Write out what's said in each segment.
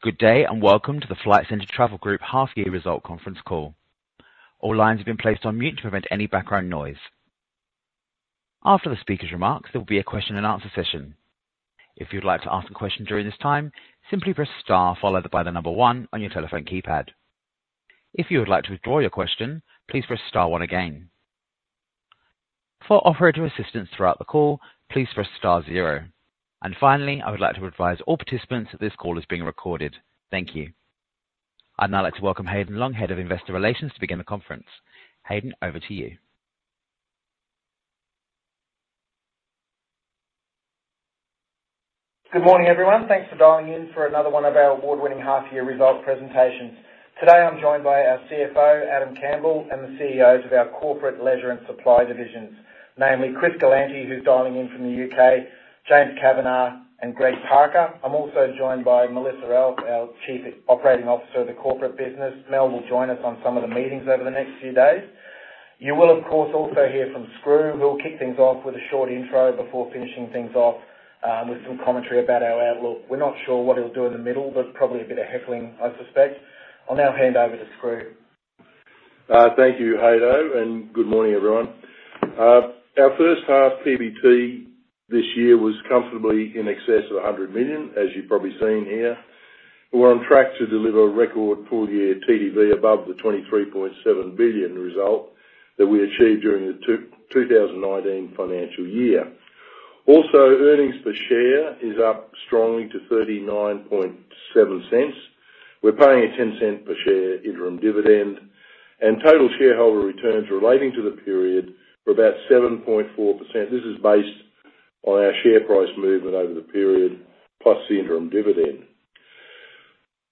Good day and welcome to the Flight Centre Travel Group half-year result conference call. All lines have been placed on mute to prevent any background noise. After the speaker's remarks, there will be a question-and-answer session. If you would like to ask a question during this time, simply press star followed by the number one on your telephone keypad. If you would like to withdraw your question, please press star one again. For operator assistance throughout the call, please press star zero. And finally, I would like to advise all participants that this call is being recorded. Thank you. I'd now like to welcome Haydn Long, head of investor relations, to begin the conference. Haydn, over to you. Good morning, everyone. Thanks for dialing in for another one of our award-winning half-year result presentations. Today I'm joined by our CFO, Adam Campbell, and the CEOs of our corporate leisure and supply divisions, namely Chris Galanty, who's dialing in from the U.K., James Kavanagh, and Greg Parker. I'm also joined by Melissa Elf, our Chief Operating Officer of the corporate business. Mel will join us on some of the meetings over the next few days. You will, of course, also hear from Skroo, who'll kick things off with a short intro before finishing things off with some commentary about our outlook. We're not sure what he'll do in the middle, but probably a bit of heckling, I suspect. I'll now hand over to Skroo. Thank you, Haydn, and good morning, everyone. Our first half PBT this year was comfortably in excess of 100 million, as you've probably seen here. We're on track to deliver a record full-year TTV above the 23.7 billion result that we achieved during the 2019 financial year. Also, earnings per share is up strongly to 0.397. We're paying a 0.10 per share interim dividend, and total shareholder returns relating to the period are about 7.4%. This is based on our share price movement over the period plus the interim dividend.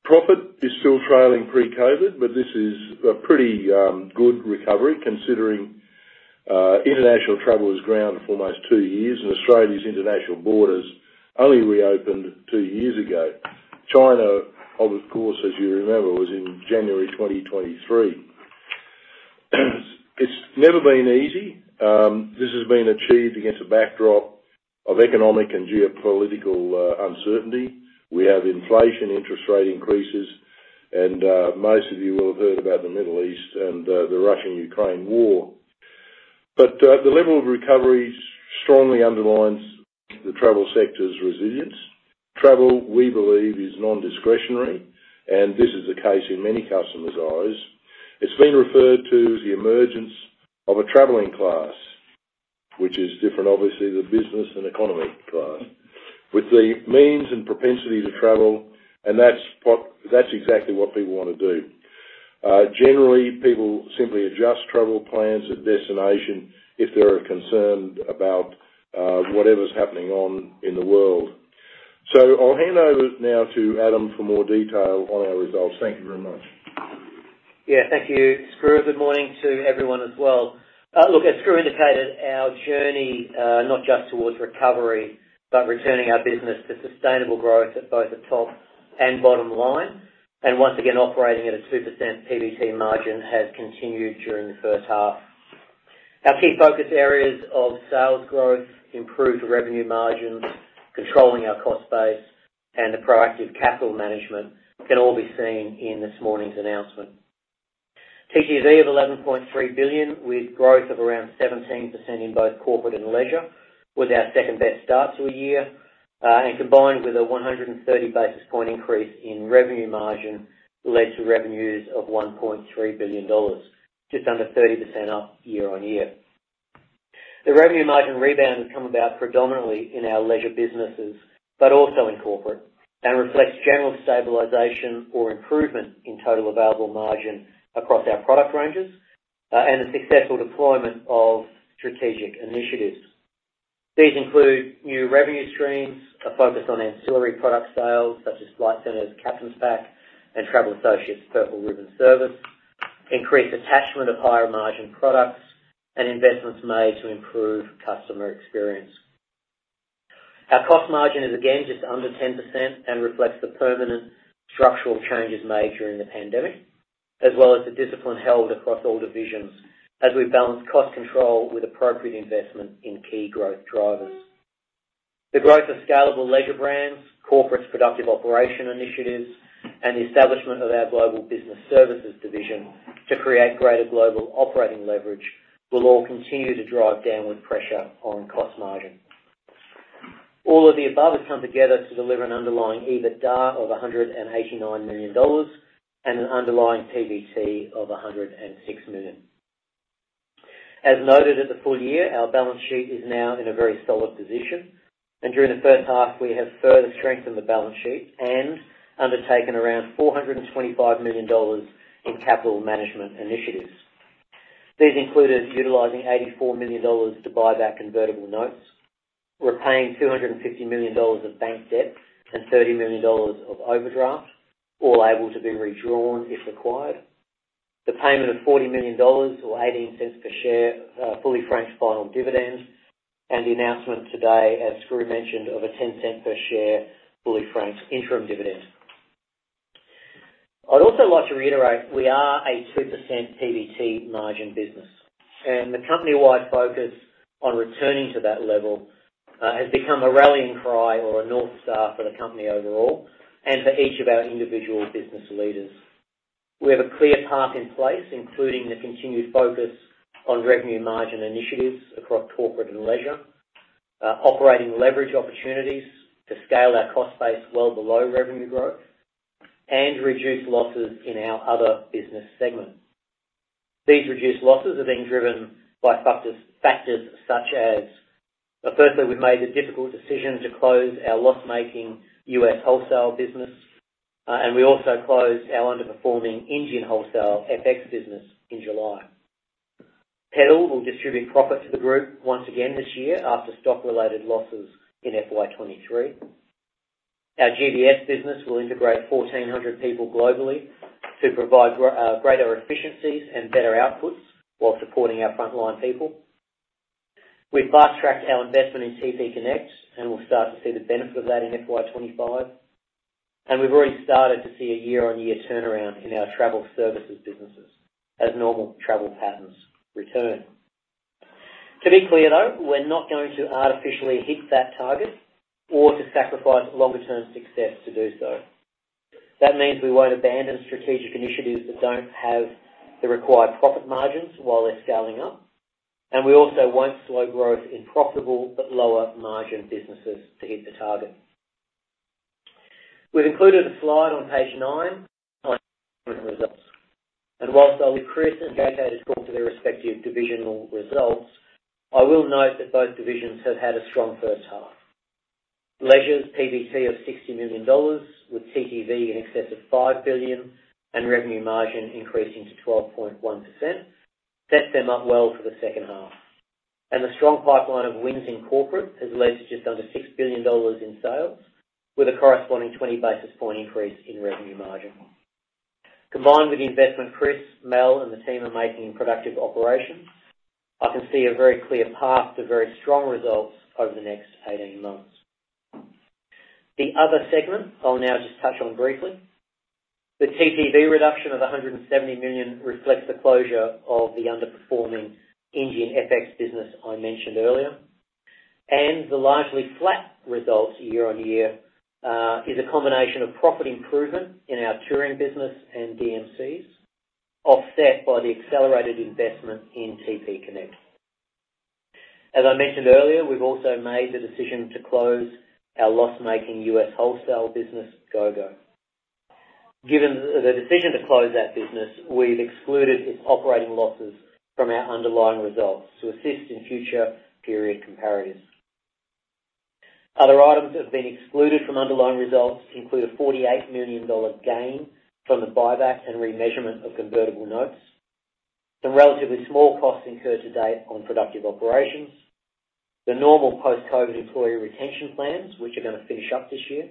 Profit is still trailing pre-COVID, but this is a pretty good recovery considering international travel has ground for almost two years, and Australia's international borders only reopened two years ago. China, of course, as you remember, was in January 2023. It's never been easy. This has been achieved against a backdrop of economic and geopolitical uncertainty. We have inflation, interest rate increases, and most of you will have heard about the Middle East and the Russia-Ukraine war. But the level of recovery strongly underlines the travel sector's resilience. Travel, we believe, is nondiscretionary, and this is the case in many customers' eyes. It's been referred to as the emergence of a traveling class, which is different, obviously, the business and economy class, with the means and propensity to travel, and that's exactly what people want to do. Generally, people simply adjust travel plans at destination if they're concerned about whatever's happening in the world. So I'll hand over now to Adam for more detail on our results. Thank you very much. Yeah, thank you, Skroo. Good morning to everyone as well. Look, as Skroo indicated, our journey not just towards recovery but returning our business to sustainable growth at both the top and bottom line, and once again, operating at a 2% PBT margin has continued during the first half. Our key focus areas of sales growth, improved revenue margins, controlling our cost base, and the proactive capital management can all be seen in this morning's announcement. TTV of 11.3 billion with growth of around 17% in both corporate and leisure was our second-best start to a year, and combined with a 130 basis point increase in revenue margin led to revenues of 1.3 billion dollars, just under 30% up year-on-year. The revenue margin rebound has come about predominantly in our leisure businesses but also in corporate and reflects general stabilization or improvement in total available margin across our product ranges and the successful deployment of strategic initiatives. These include new revenue streams, a focus on ancillary product sales such as Flight Centre's Captain's Pack and Travel Associates' Purple Ribbon Service, increased attachment of higher-margin products, and investments made to improve customer experience. Our cost margin is again just under 10% and reflects the permanent structural changes made during the pandemic, as well as the discipline held across all divisions as we balance cost control with appropriate investment in key growth drivers. The growth of scalable leisure brands, corporate's productive operation initiatives, and the establishment of our Global Business Services division to create greater global operating leverage will all continue to drive downward pressure on cost margin. All of the above has come together to deliver an underlying EBITDA of 189 million dollars and an underlying PBT of 106 million. As noted at the full year, our balance sheet is now in a very solid position, and during the first half, we have further strengthened the balance sheet and undertaken around 425 million dollars in capital management initiatives. These included utilizing 84 million dollars to buy back convertible notes, repaying 250 million dollars of bank debt, and 30 million dollars of overdraft, all able to be redrawn if required, the payment of 40 million dollars or 0.18 per share fully franked final dividend, and the announcement today, as Skroo mentioned, of a 10-cent-per-share fully franked interim dividend. I'd also like to reiterate, we are a 2% PBT margin business, and the company-wide focus on returning to that level has become a rallying cry or a north star for the company overall and for each of our individual business leaders. We have a clear path in place, including the continued focus on revenue margin initiatives across corporate and leisure, operating leverage opportunities to scale our cost base well below revenue growth, and reduced losses in our other business segment. These reduced losses are being driven by factors such as, firstly, we've made the difficult decision to close our loss-making U.S. wholesale business, and we also closed our underperforming Indian wholesale FX business in July. Pedal will distribute profit to the group once again this year after stock-related losses in FY 2023. Our GBS business will integrate 1,400 people globally to provide greater efficiencies and better outputs while supporting our frontline people. We've fast-tracked our investment in TPConnects, and we'll start to see the benefit of that in FY 2025. We've already started to see a year-on-year turnaround in our Travel Services businesses as normal travel patterns return. To be clear, though, we're not going to artificially hit that target or to sacrifice longer-term success to do so. That means we won't abandon strategic initiatives that don't have the required profit margins while they're scaling up, and we also won't slow growth in profitable but lower-margin businesses to hit the target. We've included a slide on page 9 on the results. While I'll leave Chris Galanty to talk to their respective divisional results, I will note that both divisions have had a strong first half. Leisure's PBT of AUD 60 million with TTV in excess of AUD 5 billion and revenue margin increasing to 12.1% set them up well for the second half. And the strong pipeline of wins in corporate has led to just under 6 billion dollars in sales with a corresponding 20 basis point increase in revenue margin. Combined with the investment Chris, Mel, and the team are making in Productive Operations, I can see a very clear path to very strong results over the next 18 months. The other segment I'll now just touch on briefly. The TTV reduction of 170 million reflects the closure of the underperforming Indian FX business I mentioned earlier. And the largely flat result year-on-year is a combination of profit improvement in our touring business and DMCs offset by the accelerated investment in TPConnects. As I mentioned earlier, we've also made the decision to close our loss-making U.S. wholesale business, GOGO. Given the decision to close that business, we've excluded its operating losses from our underlying results to assist in future period comparatives. Other items that have been excluded from underlying results include an 48 million dollar gain from the buyback and remeasurement of convertible notes, some relatively small costs incurred to date on Productive Operations, the normal post-COVID employee retention plans, which are going to finish up this year,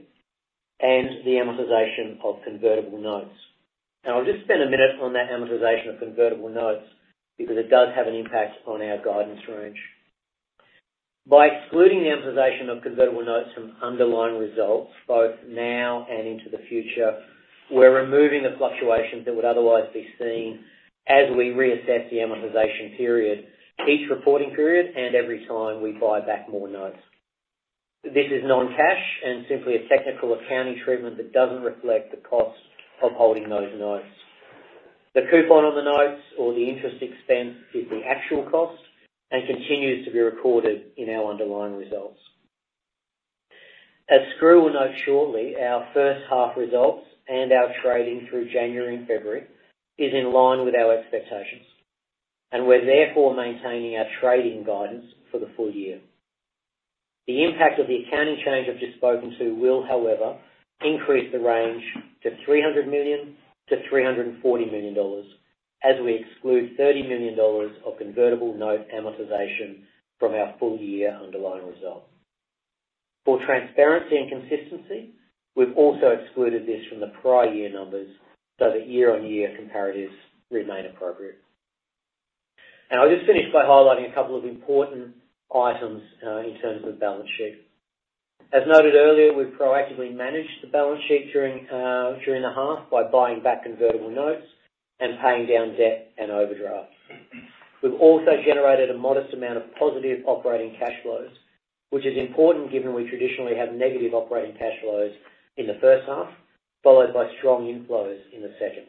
and the amortization of convertible notes. I'll just spend a minute on that amortization of convertible notes because it does have an impact on our guidance range. By excluding the amortization of convertible notes from underlying results both now and into the future, we're removing the fluctuations that would otherwise be seen as we reassess the amortization period each reporting period and every time we buy back more notes. This is non-cash and simply a technical accounting treatment that doesn't reflect the cost of holding those notes. The coupon on the notes or the interest expense is the actual cost and continues to be recorded in our underlying results. As Skroo will note shortly, our first half results and our trading through January and February is in line with our expectations, and we're therefore maintaining our trading guidance for the full year. The impact of the accounting change I've just spoken to will, however, increase the range to 300 million-340 million dollars as we exclude 30 million dollars of convertible note amortization from our full year underlying result. For transparency and consistency, we've also excluded this from the prior year numbers so that year-on-year comparatives remain appropriate. I'll just finish by highlighting a couple of important items in terms of the balance sheet. As noted earlier, we've proactively managed the balance sheet during the half by buying back convertible notes and paying down debt and overdrafts. We've also generated a modest amount of positive operating cash flows, which is important given we traditionally have negative operating cash flows in the first half followed by strong inflows in the second.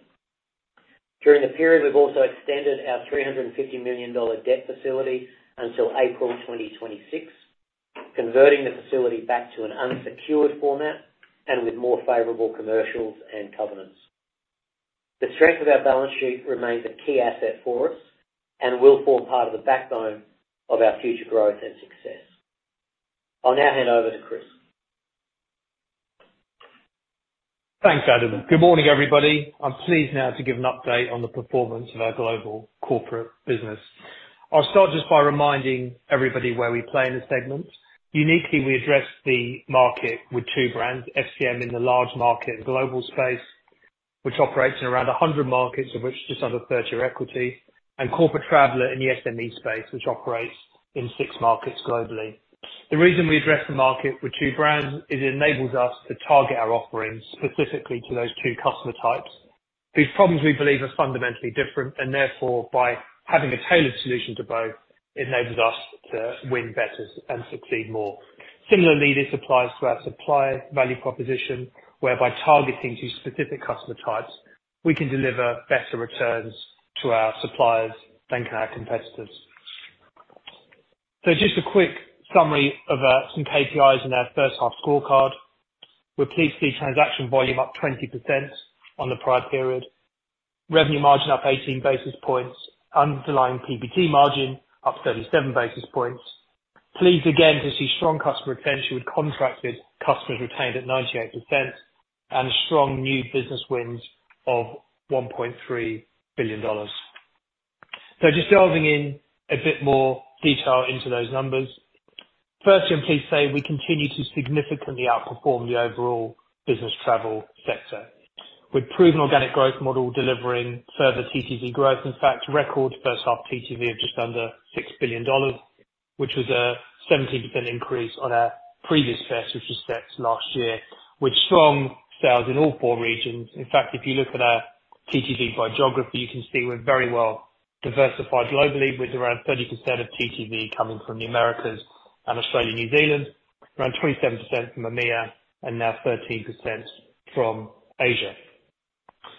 During the period, we've also extended our 350 million dollar debt facility until April 2026, converting the facility back to an unsecured format and with more favorable commercials and covenants. The strength of our balance sheet remains a key asset for us and will form part of the backbone of our future growth and success. I'll now hand over to Chris. Thanks, Adam. Good morning, everybody. I'm pleased now to give an update on the performance of our global corporate business. I'll start just by reminding everybody where we play in this segment. Uniquely, we address the market with two brands, FCM in the large market and global space, which operates in around 100 markets of which just under 30 are equity, and Corporate Traveller in the SME space, which operates in 6 markets globally. The reason we address the market with two brands is it enables us to target our offerings specifically to those two customer types whose problems we believe are fundamentally different, and therefore, by having a tailored solution to both, it enables us to win better and succeed more. Similarly, this applies to our supplier value proposition whereby targeting two specific customer types, we can deliver better returns to our suppliers than to our competitors. Just a quick summary of some KPIs in our first half scorecard. We're pleased to see transaction volume up 20% on the prior period, revenue margin up 18 basis points, underlying PBT margin up 37 basis points. Pleased again to see strong customer retention with contracted customers retained at 98% and strong new business wins of 1.3 billion dollars. Just delving in a bit more detail into those numbers. Firstly, I'm pleased to say we continue to significantly outperform the overall business travel sector with proven organic growth model delivering further TTV growth. In fact, record first half TTV of just under 6 billion dollars, which was a 17% increase on our previous best, which was set last year, with strong sales in all four regions. In fact, if you look at our TTV by geography, you can see we're very well diversified globally with around 30% of TTV coming from the Americas and Australia, New Zealand, around 27% from EMEA, and now 13% from Asia.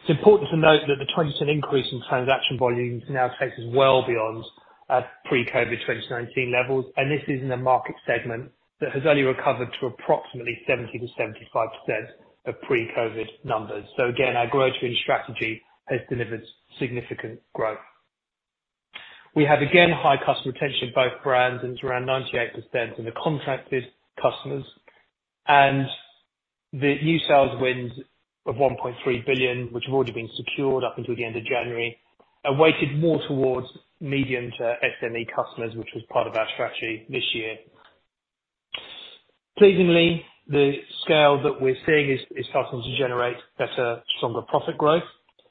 It's important to note that the 20% increase in transaction volumes now takes us well beyond our pre-COVID 2019 levels, and this is in a market segment that has only recovered to approximately 70%-75% of pre-COVID numbers. So again, our Grow to Win strategy has delivered significant growth. We have again high customer retention both brands and it's around 98% in the contracted customers. The new sales wins of 1.3 billion, which have already been secured up until the end of January, are weighted more towards medium to SME customers, which was part of our strategy this year. Pleasingly, the scale that we're seeing is starting to generate better, stronger profit growth.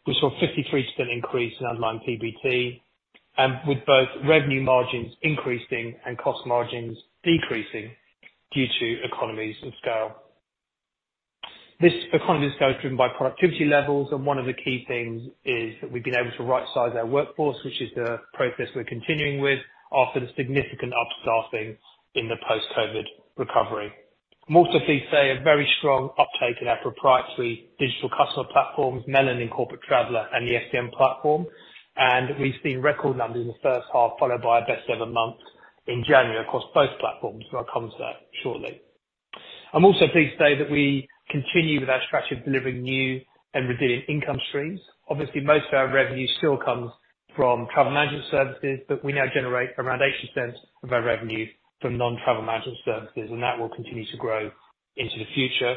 We saw a 53% increase in underlying PBT, with both revenue margins increasing and cost margins decreasing due to economies of scale. This economies of scale is driven by productivity levels, and one of the key things is that we've been able to right-size our workforce, which is the process we're continuing with after the significant upstaffing in the post-COVID recovery. I'm also pleased to say, a very strong uptake in our proprietary digital customer platforms, Melon Corporate Traveller and the FCM Platform. We've seen record numbers in the first half followed by our best-ever month in January across both platforms, and I'll come to that shortly. I'm also pleased to say that we continue with our strategy of delivering new and resilient income streams. Obviously, most of our revenue still comes from travel management services, but we now generate around 80% of our revenue from non-travel management services, and that will continue to grow into the future.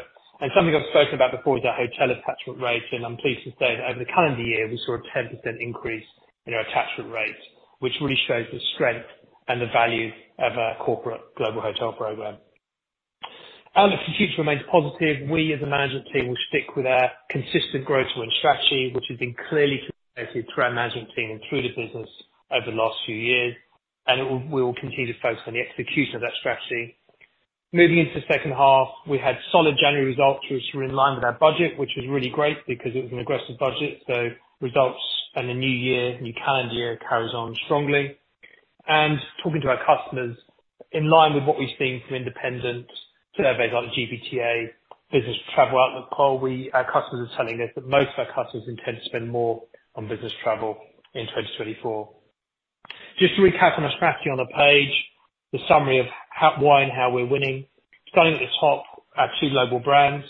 Something I've spoken about before is our hotel attachment rate, and I'm pleased to say that over the calendar year, we saw a 10% increase in our attachment rate, which really shows the strength and the value of our corporate global hotel program. If the future remains positive, we as a management team will stick with our consistent Grow to Win strategy, which has been clearly communicated through our management team and through the business over the last few years, and we will continue to focus on the execution of that strategy. Moving into the second half, we had solid January results which were in line with our budget, which was really great because it was an aggressive budget. So results and the new year, new calendar year carries on strongly. And talking to our customers, in line with what we've seen from independent surveys like GBTA Business Travel Outlook Poll, our customers are telling us that most of our customers intend to spend more on business travel in 2024. Just to recap on our strategy on the page, the summary of why and how we're winning, starting at the top, our two global brands.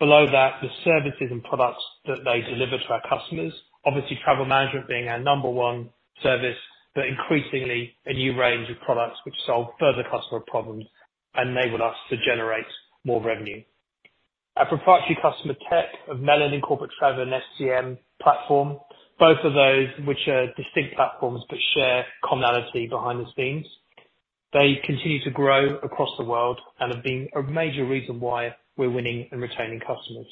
Below that, the services and products that they deliver to our customers, obviously travel management being our number one service, but increasingly a new range of products which solve further customer problems and enable us to generate more revenue. Our proprietary customer tech of Melon Corporate Traveller and FCM Platform, both of those which are distinct platforms but share commonality behind the scenes, they continue to grow across the world and have been a major reason why we're winning and retaining customers.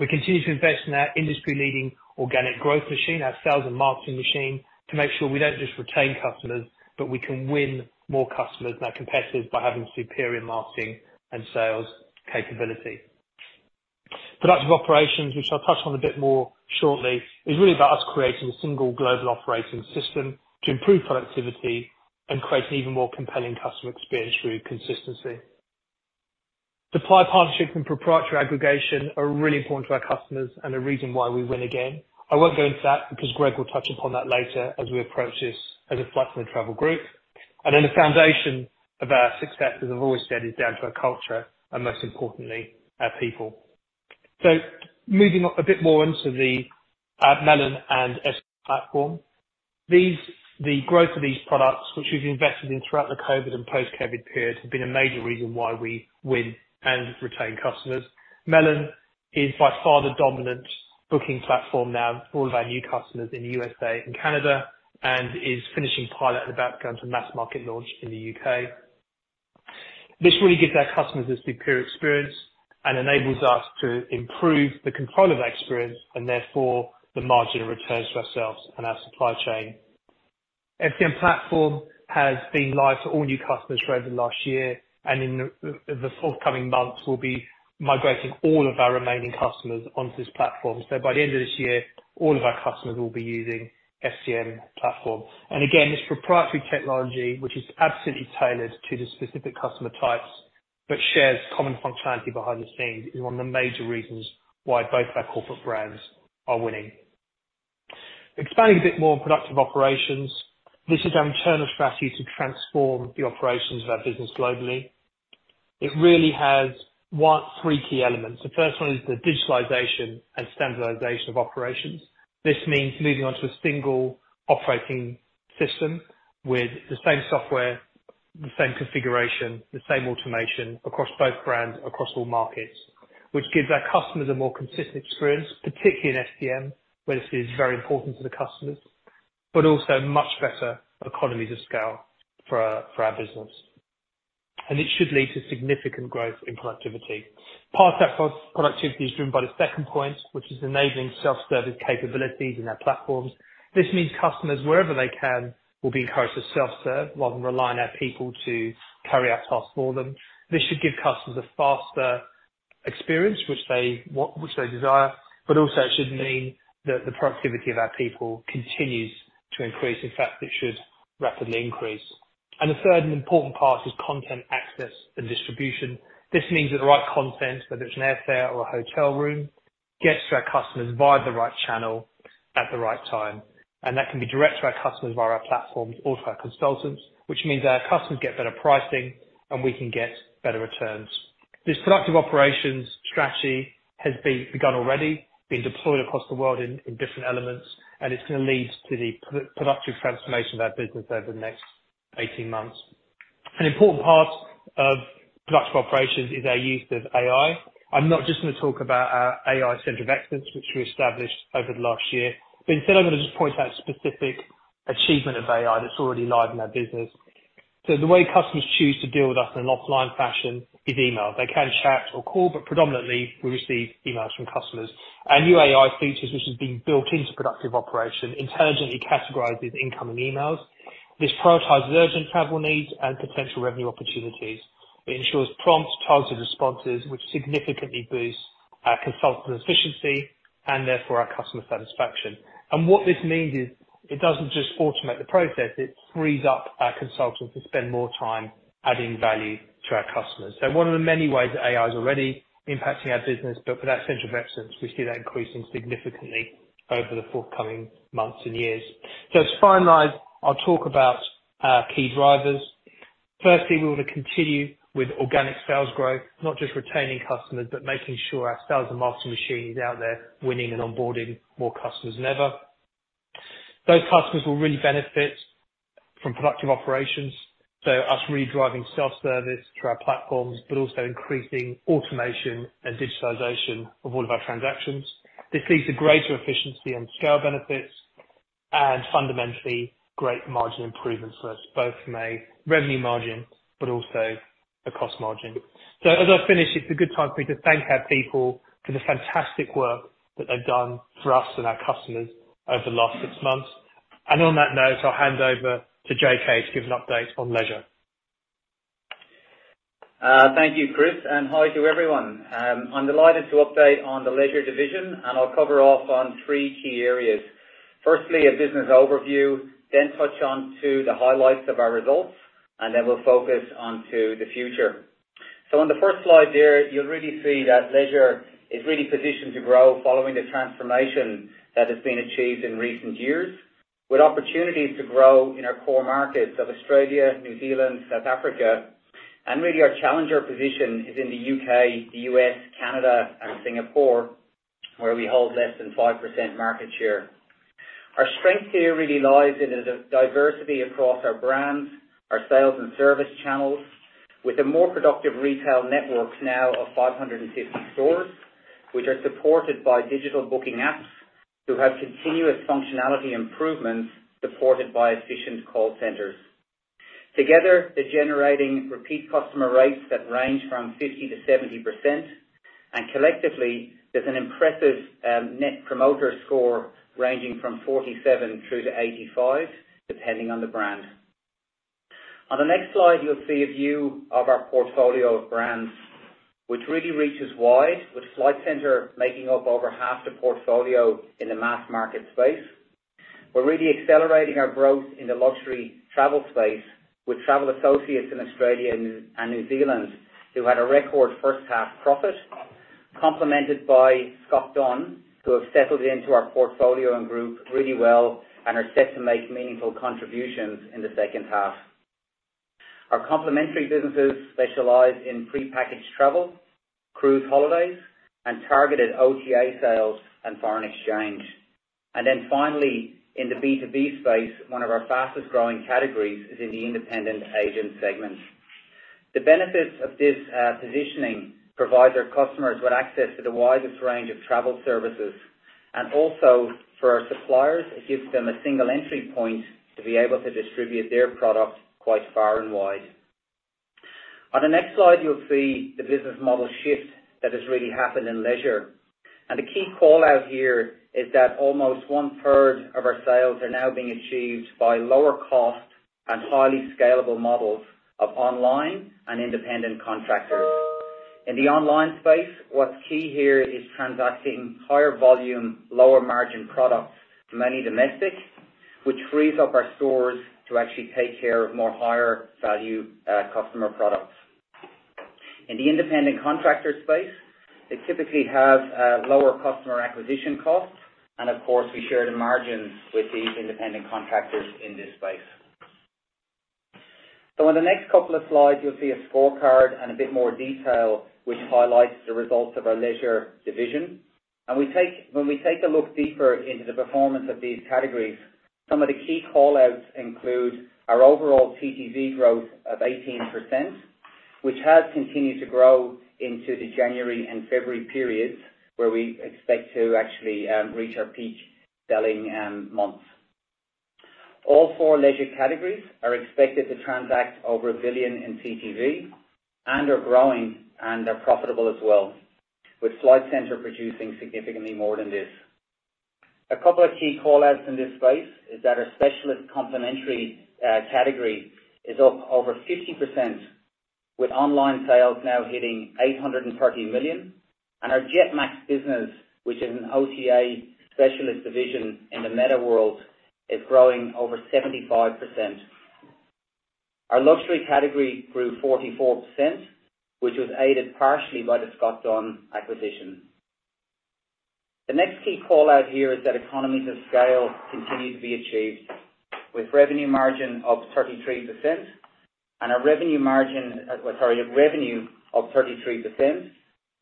We continue to invest in our industry-leading organic growth machine, our sales and marketing machine, to make sure we don't just retain customers but we can win more customers than our competitors by having superior marketing and sales capability. Productive Operations, which I'll touch on a bit more shortly, is really about us creating a single global operating system to improve productivity and create an even more compelling customer experience through consistency. Supplier partnerships and proprietary aggregation are really important to our customers and a reason why we win again. I won't go into that because Greg will touch upon that later as we approach this as a Flight Centre Travel Group. Then the foundation of our success, as I've always said, is down to our culture and most importantly, our people. Moving a bit more onto the Melon and FCM Platform, the growth of these products which we've invested in throughout the COVID and post-COVID period have been a major reason why we win and retain customers. Melon is by far the dominant booking platform now for all of our new customers in the USA and Canada and is finishing pilot and about to go into mass market launch in the U.K. This really gives our customers a superior experience and enables us to improve the control of that experience and therefore the margin of returns for ourselves and our supply chain. FCM Platform has been live to all new customers throughout the last year, and in the forthcoming months, we'll be migrating all of our remaining customers onto this platform. So by the end of this year, all of our customers will be using FCM Platform. And again, this proprietary technology which is absolutely tailored to the specific customer types but shares common functionality behind the scenes is one of the major reasons why both our corporate brands are winning. Expanding a bit more on Productive Operations, this is our internal strategy to transform the operations of our business globally. It really has three key elements. The first one is the digitalization and standardization of operations. This means moving onto a single operating system with the same software, the same configuration, the same automation across both brands, across all markets, which gives our customers a more consistent experience, particularly in FCM where this is very important to the customers, but also much better economies of scale for our business. It should lead to significant growth in productivity. Part of that productivity is driven by the second point, which is enabling self-service capabilities in our platforms. This means customers, wherever they can, will be encouraged to self-serve rather than rely on our people to carry out tasks for them. This should give customers a faster experience which they desire, but also it should mean that the productivity of our people continues to increase. In fact, it should rapidly increase. The third and important part is content access and distribution. This means that the right content, whether it's an airfare or a hotel room, gets to our customers via the right channel at the right time. That can be direct to our customers via our platforms or to our consultants, which means our customers get better pricing and we can get better returns. This Productive Operations strategy has begun already, been deployed across the world in different elements, and it's going to lead to the productive transformation of our business over the next 18 months. An important part of Productive Operations is our use of AI. I'm not just going to talk about our AI center of excellence which we established over the last year. Instead, I'm going to just point out a specific achievement of AI that's already live in our business. The way customers choose to deal with us in an offline fashion is email. They can chat or call, but predominantly, we receive emails from customers. Our new AI features, which has been built into productive operation, intelligently categorizes incoming emails. This prioritizes urgent travel needs and potential revenue opportunities. It ensures prompt, targeted responses which significantly boost our consultant efficiency and therefore our customer satisfaction. What this means is it doesn't just automate the process. It frees up our consultants to spend more time adding value to our customers. One of the many ways that AI is already impacting our business, but with our center of excellence, we see that increasing significantly over the forthcoming months and years. To finalize, I'll talk about our key drivers. Firstly, we want to continue with organic sales growth, not just retaining customers but making sure our sales and marketing machine is out there winning and onboarding more customers than ever. Those customers will really benefit from Productive Operations, so us really driving self-service through our platforms but also increasing automation and digitization of all of our transactions. This leads to greater efficiency and scale benefits and fundamentally great margin improvements for us, both from a revenue margin but also a cost margin. So as I finish, it's a good time for me to thank our people for the fantastic work that they've done for us and our customers over the last six months. And on that note, I'll hand over to JK to give an update on Leisure. Thank you, Chris. Hi to everyone. I'm delighted to update on the Leisure division, and I'll cover off on three key areas. Firstly, a business overview, then touch onto the highlights of our results, and then we'll focus onto the future. On the first slide there, you'll really see that Leisure is really positioned to grow following the transformation that has been achieved in recent years with opportunities to grow in our core markets of Australia, New Zealand, South Africa. Really, our challenger position is in the U.K., the U.S., Canada, and Singapore where we hold less than 5% market share. Our strength here really lies in the diversity across our brands, our sales and service channels with a more productive retail network now of 550 stores which are supported by digital booking apps who have continuous functionality improvements supported by efficient call centers. Together, they're generating repeat customer rates that range from 50%-70%, and collectively, there's an impressive net promoter score ranging from 47-85 depending on the brand. On the next slide, you'll see a view of our portfolio of brands which really reaches wide, with Flight Centre making up over half the portfolio in the mass market space. We're really accelerating our growth in the luxury travel space with Travel Associates in Australia and New Zealand who had a record first-half profit complemented by Scott Dunn who have settled into our portfolio and group really well and are set to make meaningful contributions in the second half. Our complementary businesses specialize in pre-packaged travel, cruise holidays, and targeted OTA sales and foreign exchange. And then finally, in the B2B space, one of our fastest-growing categories is in the independent agent segment. The benefits of this positioning provide our customers with access to the widest range of Travel Services. Also for our suppliers, it gives them a single entry point to be able to distribute their product quite far and wide. On the next slide, you'll see the business model shift that has really happened in Leisure. The key callout here is that almost one-third of our sales are now being achieved by lower-cost and highly scalable models of online and independent contractors. In the online space, what's key here is transacting higher-volume, lower-margin products, many domestic, which frees up our stores to actually take care of more higher-value customer products. In the independent contractor space, they typically have lower customer acquisition costs, and of course, we share the margins with these independent contractors in this space. On the next couple of slides, you'll see a scorecard and a bit more detail which highlights the results of our Leisure division. When we take a look deeper into the performance of these categories, some of the key callouts include our overall TTV growth of 18% which has continued to grow into the January and February periods where we expect to actually reach our peak selling months. All four Leisure categories are expected to transact over 1 billion in TTV and are growing and are profitable as well, with Flight Centre producing significantly more than this. A couple of key callouts in this space is that our specialist complementary category is up over 50% with online sales now hitting 830 million, and our Jetmax business, which is an OTA specialist division in the meta world, is growing over 75%. Our luxury category grew 44% which was aided partially by the Scott Dunn acquisition. The next key callout here is that economies of scale continue to be achieved with revenue margin of 33% and a revenue margin sorry, revenue of 33%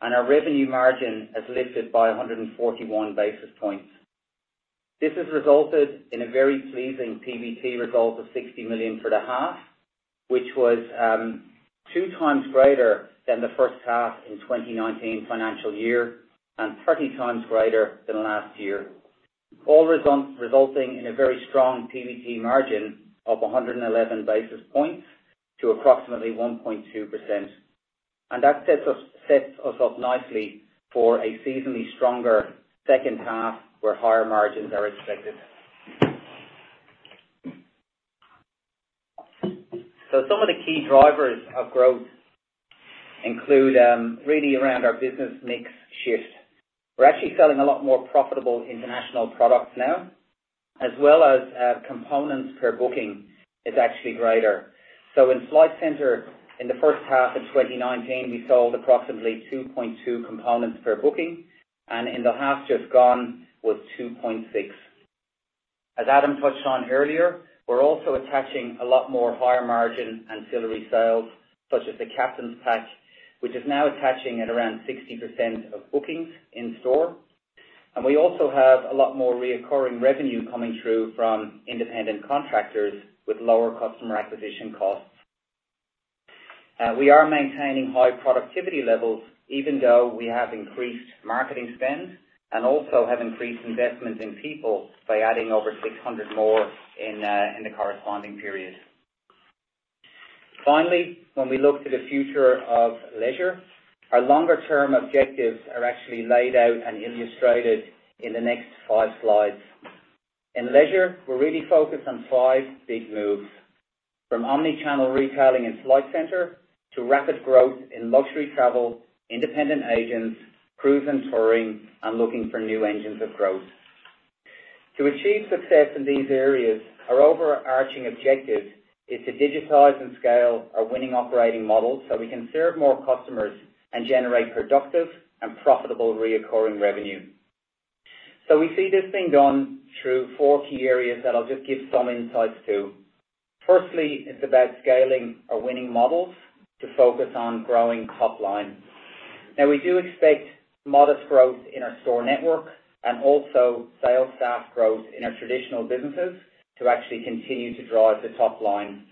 and a revenue margin as lifted by 141 basis points. This has resulted in a very pleasing PBT result of 60 million for the half, which was two times greater than the first half in 2019 financial year and 30 times greater than last year, all resulting in a very strong PBT margin of 111 basis points to approximately 1.2%. And that sets us up nicely for a seasonally stronger second half where higher margins are expected. So some of the key drivers of growth include really around our business mix shift. We're actually selling a lot more profitable international products now, as well as components per booking is actually greater. So in Flight Centre, in the first half of 2019, we sold approximately 2.2 components per booking, and in the half just gone was 2.6. As Adam touched on earlier, we're also attaching a lot more higher-margin ancillary sales such as the Captain's Pack which is now attaching at around 60% of bookings in store. And we also have a lot more recurring revenue coming through from independent contractors with lower customer acquisition costs. We are maintaining high productivity levels even though we have increased marketing spend and also have increased investment in people by adding over 600 more in the corresponding period. Finally, when we look to the future of Leisure, our longer-term objectives are actually laid out and illustrated in the next five slides. In Leisure, we're really focused on five big moves from omnichannel retailing in Flight Centre to rapid growth in luxury travel, independent agents, cruise and touring, and looking for new engines of growth. To achieve success in these areas, our overarching objective is to digitize and scale our winning operating models so we can serve more customers and generate productive and profitable recurring revenue. So we see this being done through four key areas that I'll just give some insights to. Firstly, it's about scaling our winning models to focus on growing top line. Now, we do expect modest growth in our store network and also sales staff growth in our traditional businesses to actually continue to drive the top line.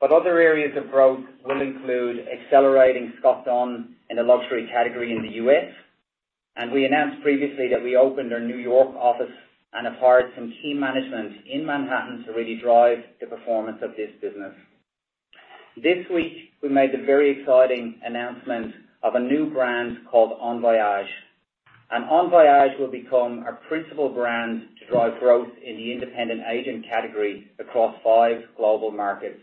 But other areas of growth will include accelerating Scott Dunn in the luxury category in the U.S. We announced previously that we opened our New York office and have hired some key management in Manhattan to really drive the performance of this business. This week, we made the very exciting announcement of a new brand called Envoyage. Envoyage will become our principal brand to drive growth in the independent agent category across five global markets.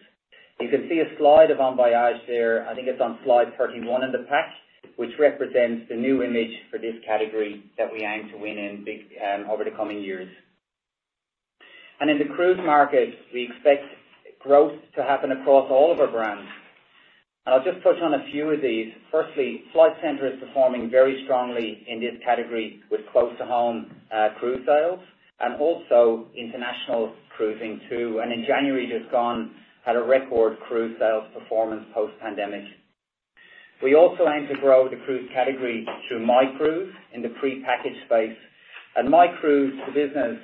You can see a slide of Envoyage there. I think it's on slide 31 in the pack which represents the new image for this category that we aim to win in over the coming years. In the cruise market, we expect growth to happen across all of our brands. I'll just touch on a few of these. Firstly, Flight Centre is performing very strongly in this category with close-to-home cruise sales and also international cruising too. In January just gone, had a record cruise sales performance post-pandemic. We also aim to grow the cruise category through My Cruises in the pre-package space. My Cruises, the business,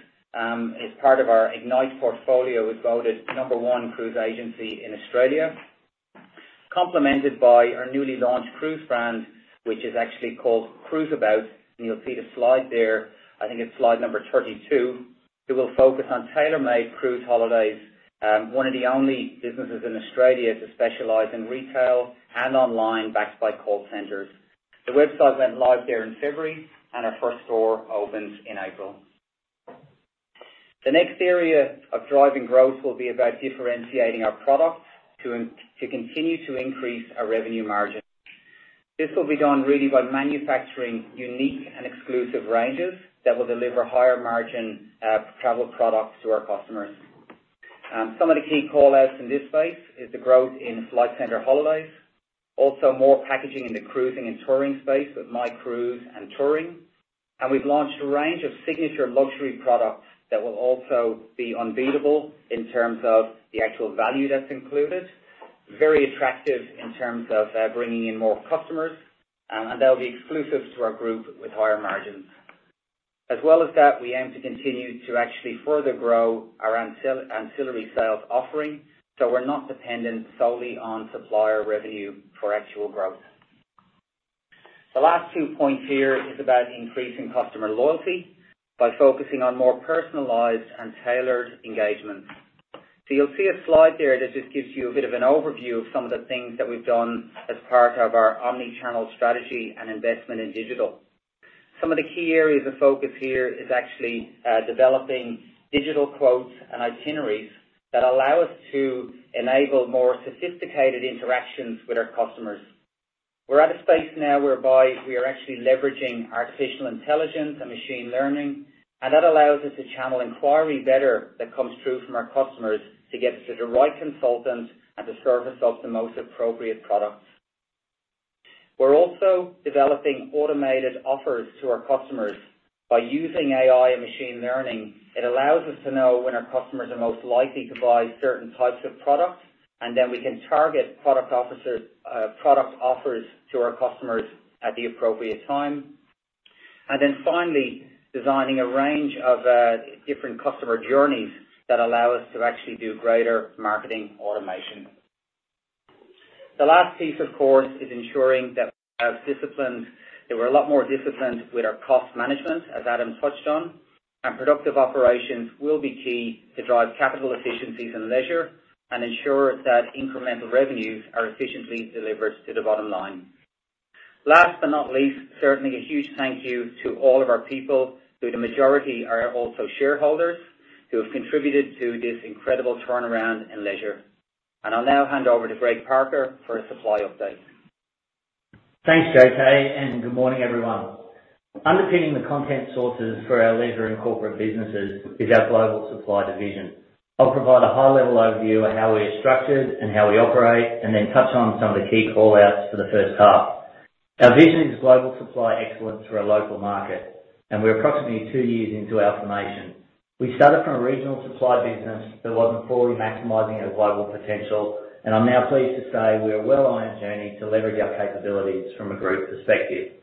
is part of our Ignite portfolio with voted number one cruise agency in Australia, complemented by our newly launched cruise brand which is actually called Cruiseabout. You'll see the slide there. I think it's slide number 32 which will focus on tailor-made cruise holidays, one of the only businesses in Australia to specialize in retail and online backed by call centers. The website went live there in February, and our first store opens in April. The next area of driving growth will be about differentiating our products to continue to increase our revenue margin. This will be done really by manufacturing unique and exclusive ranges that will deliver higher-margin travel products to our customers. Some of the key callouts in this space is the growth in Flight Centre Holidays, also more packaging in the cruising and touring space with My Cruises and touring. We've launched a range of signature luxury products that will also be unbeatable in terms of the actual value that's included, very attractive in terms of bringing in more customers, and they'll be exclusive to our group with higher margins. As well as that, we aim to continue to actually further grow our ancillary sales offering so we're not dependent solely on supplier revenue for actual growth. The last two points here is about increasing customer loyalty by focusing on more personalized and tailored engagements. You'll see a slide there that just gives you a bit of an overview of some of the things that we've done as part of our omnichannel strategy and investment in digital. Some of the key areas of focus here is actually developing digital quotes and itineraries that allow us to enable more sophisticated interactions with our customers. We're at a space now whereby we are actually leveraging artificial intelligence and machine learning, and that allows us to channel inquiry better that comes through from our customers to get to the right consultant and to service up the most appropriate products. We're also developing automated offers to our customers by using AI and machine learning. It allows us to know when our customers are most likely to buy certain types of products, and then we can target product offers to our customers at the appropriate time. And then finally, designing a range of different customer journeys that allow us to actually do greater marketing automation. The last piece, of course, is ensuring that we have disciplined that we're a lot more disciplined with our cost management as Adam touched on. Productive Operations will be key to drive capital efficiencies in Leisure and ensure that incremental revenues are efficiently delivered to the bottom line. Last but not least, certainly a huge thank you to all of our people who the majority are also shareholders who have contributed to this incredible turnaround in Leisure. I'll now hand over to Greg Parker for a supply update. Thanks, JK, and good morning, everyone. Underpinning the content sources for our Leisure and corporate businesses is our global supply division. I'll provide a high-level overview of how we are structured and how we operate and then touch on some of the key callouts for the first half. Our vision is global supply excellence for a local market, and we're approximately two years into our formation. We started from a regional supply business that wasn't fully maximizing our global potential, and I'm now pleased to say we're well on our journey to leverage our capabilities from a group perspective.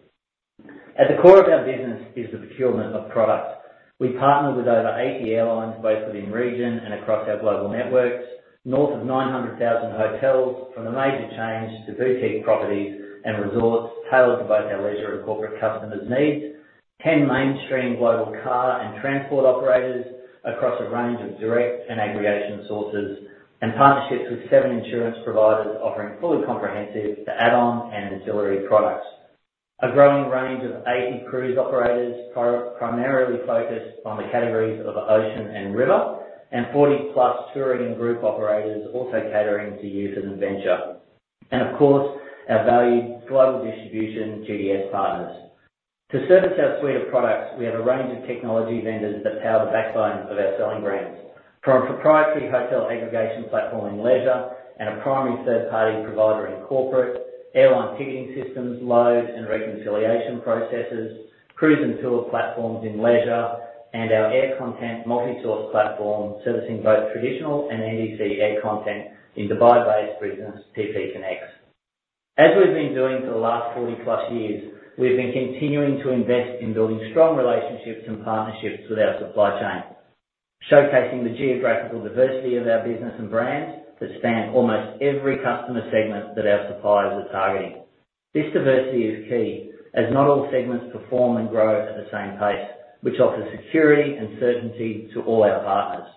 At the core of our business is the procurement of products. We partner with over 80 airlines both within region and across our global networks, north of 900,000 hotels from the major chains to boutique properties and resorts tailored to both our leisure and corporate customers' needs, 10 mainstream global car and transport operators across a range of direct and aggregation sources, and partnerships with seven insurance providers offering fully comprehensive add-on and ancillary products. A growing range of 80 cruise operators primarily focused on the categories of ocean and river and 40-plus touring and group operators also catering to youth and adventure. And of course, our valued global distribution GDS partners. To service our suite of products, we have a range of technology vendors that power the backbone of our selling brands from a proprietary hotel aggregation platform in Leisure and a primary third-party provider in Corporate, airline ticketing systems, load and reconciliation processes, cruise and tour platforms in Leisure, and our air content multi-source platform servicing both traditional and NDC air content in Dubai-based business TPConnects. As we've been doing for the last 40-plus years, we've been continuing to invest in building strong relationships and partnerships with our supply chain, showcasing the geographical diversity of our business and brands that span almost every customer segment that our suppliers are targeting. This diversity is key as not all segments perform and grow at the same pace, which offers security and certainty to all our partners.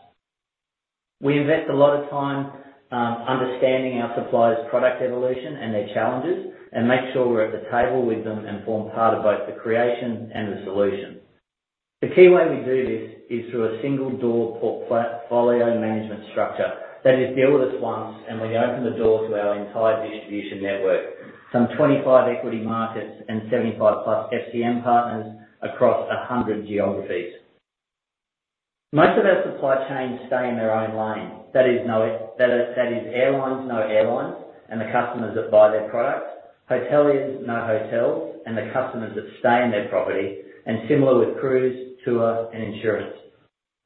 We invest a lot of time understanding our suppliers' product evolution and their challenges and make sure we're at the table with them and form part of both the creation and the solution. The key way we do this is through a single-door portfolio management structure that is deal with us once, and we open the door to our entire distribution network, some 25 equity markets and 75-plus FCM partners across 100 geographies. Most of our supply chains stay in their own lane. That is, airlines know airlines, and the customers that buy their products. Hoteliers know hotels, and the customers that stay in their property. Similar with cruise, tour, and insurance.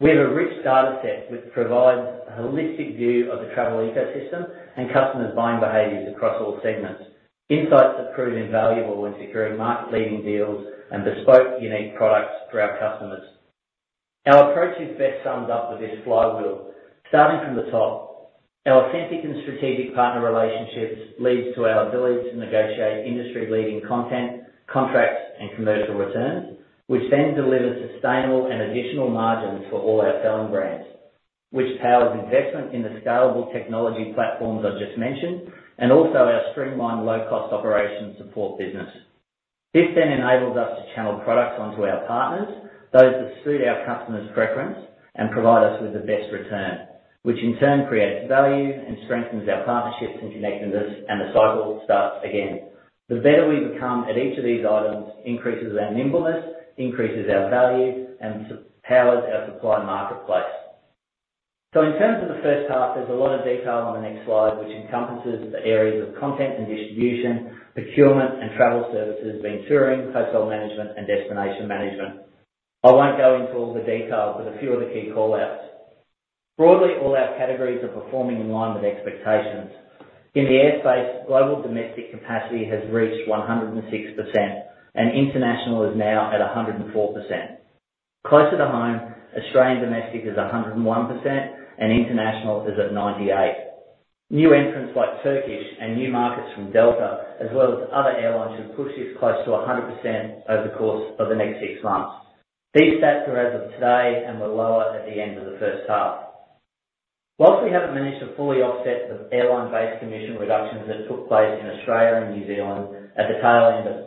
We have a rich dataset which provides a holistic view of the travel ecosystem and customers' buying behaviors across all segments, insights that prove invaluable when securing market-leading deals and bespoke unique products for our customers. Our approach is best summed up with this flywheel. Starting from the top, our authentic and strategic partner relationships lead to our ability to negotiate industry-leading content, contracts, and commercial returns, which then deliver sustainable and additional margins for all our selling brands, which powers investment in the scalable technology platforms I've just mentioned and also our streamlined low-cost operation support business. This then enables us to channel products onto our partners, those that suit our customers' preference, and provide us with the best return, which in turn creates value and strengthens our partnerships and connectedness, and the cycle starts again. The better we become at each of these items increases our nimbleness, increases our value, and powers our supply marketplace. So in terms of the first half, there's a lot of detail on the next slide which encompasses the areas of content and distribution, procurement and Travel Services being touring, hotel management, and destination management. I won't go into all the details but a few of the key callouts. Broadly, all our categories are performing in line with expectations. In the airspace, global domestic capacity has reached 106%, and international is now at 104%. Closer to home, Australian domestic is 101%, and international is at 98%. New entrants like Turkish and new markets from Delta as well as other airlines should push this close to 100% over the course of the next six months. These stats are as of today and were lower at the end of the first half. While we haven't managed to fully offset the airline-based commission reductions that took place in Australia and New Zealand at the tail end of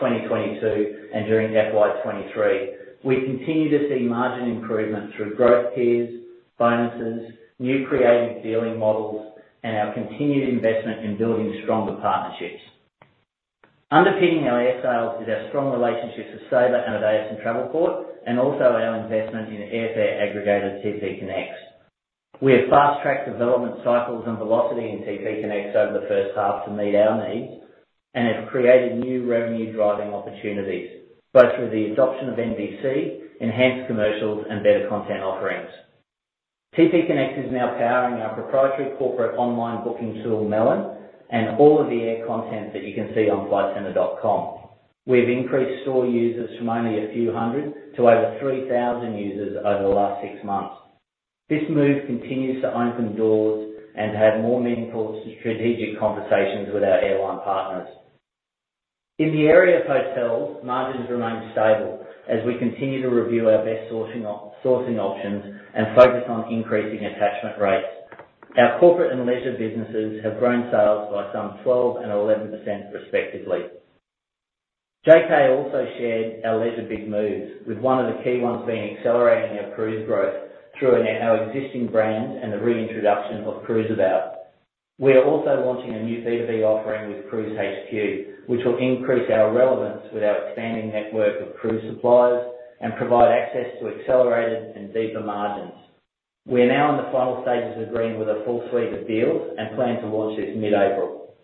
2022 and during FY 2023, we continue to see margin improvement through growth tiers, bonuses, new creative dealing models, and our continued investment in building stronger partnerships. Underpinning our air sales is our strong relationships with Sabre and Amadeus and Travelport and also our investment in airfare aggregator TPConnects. We have fast-tracked development cycles and velocity in TPConnects over the first half to meet our needs and have created new revenue-driving opportunities both through the adoption of NDC, enhanced commercials, and better content offerings. TPConnects is now powering our proprietary corporate online booking tool Melon and all of the air content that you can see on flightcentre.com. We've increased store users from only a few hundred to over 3,000 users over the last six months. This move continues to open doors and to have more meaningful strategic conversations with our airline partners. In the area of hotels, margins remain stable as we continue to review our best sourcing options and focus on increasing attachment rates. Our corporate and leisure businesses have grown sales by some 12% and 11% respectively. JK also shared our Leisure Big Moves with one of the key ones being accelerating our cruise growth through our existing brand and the reintroduction of Cruiseabout. We are also launching a new B2B offering with CruiseHQ which will increase our relevance with our expanding network of cruise suppliers and provide access to accelerated and deeper margins. We are now in the final stages of agreeing with a full suite of deals and plan to launch this mid-April.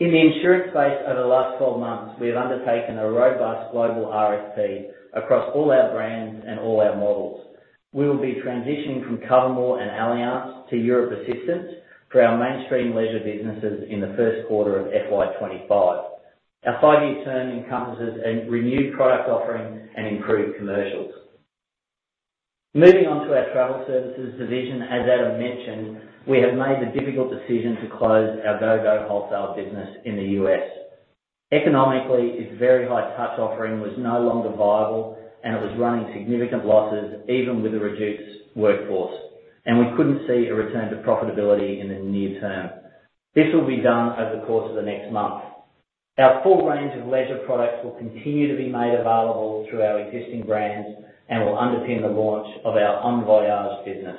In the insurance space over the last 12 months, we have undertaken a robust global RFP across all our brands and all our models. We will be transitioning from Cover-More and Allianz to Europ Assistance for our mainstream leisure businesses in the first quarter of FY 2025. Our five-year term encompasses a renewed product offering and improved commercials. Moving on to our Travel Services division, as Adam mentioned, we have made the difficult decision to close our GOGO wholesale business in the U.S. Economically, its very high-touch offering was no longer viable, and it was running significant losses even with a reduced workforce, and we couldn't see a return to profitability in the near term. This will be done over the course of the next month. Our full range of leisure products will continue to be made available through our existing brands and will underpin the launch of our Envoyage business.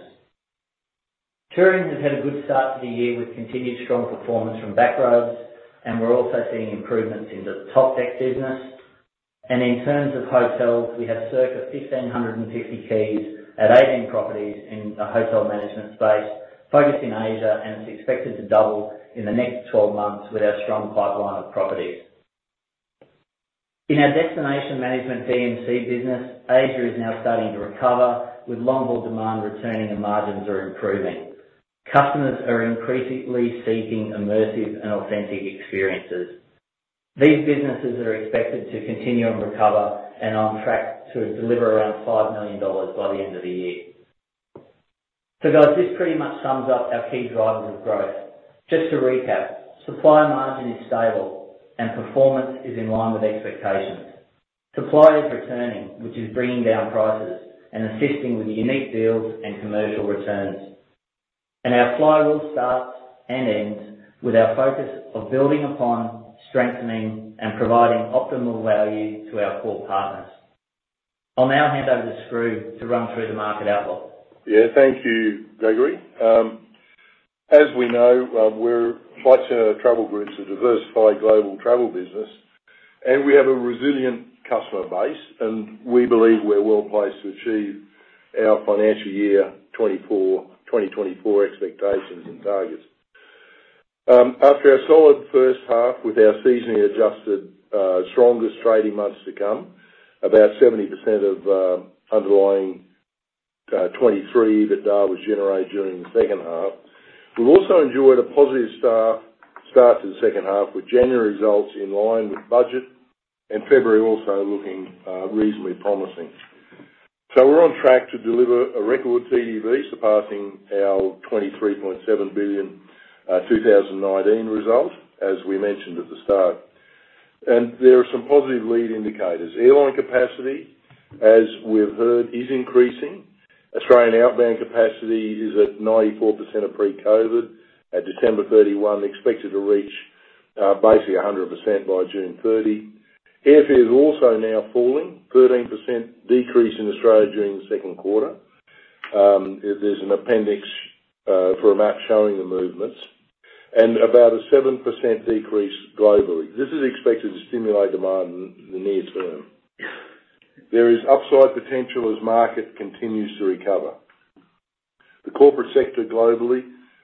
Touring has had a good start to the year with continued strong performance from Backroads, and we're also seeing improvements in the Topdeck business. In terms of hotels, we have circa 1,550 keys at 18 properties in the hotel management space focused in Asia, and it's expected to double in the next 12 months with our strong pipeline of properties. In our destination management DMC business, Asia is now starting to recover with long-haul demand returning and margins are improving. Customers are increasingly seeking immersive and authentic experiences. These businesses are expected to continue and recover and on track to deliver around 5 million dollars by the end of the year. So guys, this pretty much sums up our key drivers of growth. Just to recap, supply margin is stable, and performance is in line with expectations. Supply is returning, which is bringing down prices and assisting with unique deals and commercial returns. Our flywheel starts and ends with our focus of building upon, strengthening, and providing optimal value to our core partners. I'll now hand over to Skroo to run through the market outlook. Yeah, thank you, Gregory. As we know, we're Flight Centre Travel Group's a diversified global travel business, and we have a resilient customer base, and we believe we're well placed to achieve our financial year 2024 expectations and targets. After a solid first half with our seasonally adjusted strongest trading months to come, about 70% of underlying 2023 EBITDA was generating during the second half, we've also enjoyed a positive start to the second half with January results in line with budget and February also looking reasonably promising. So we're on track to deliver a record TTV surpassing our 23.7 billion 2019 result as we mentioned at the start. And there are some positive lead indicators. Airline capacity, as we've heard, is increasing. Australian outbound capacity is at 94% of pre-COVID at December 31, expected to reach basically 100% by June 30. Airfare is also now falling, 13% decrease in Australia during the second quarter. There's an appendix for a map showing the movements and about a 7% decrease globally. This is expected to stimulate demand in the near term. There is upside potential as market continues to recover. The corporate sector globally,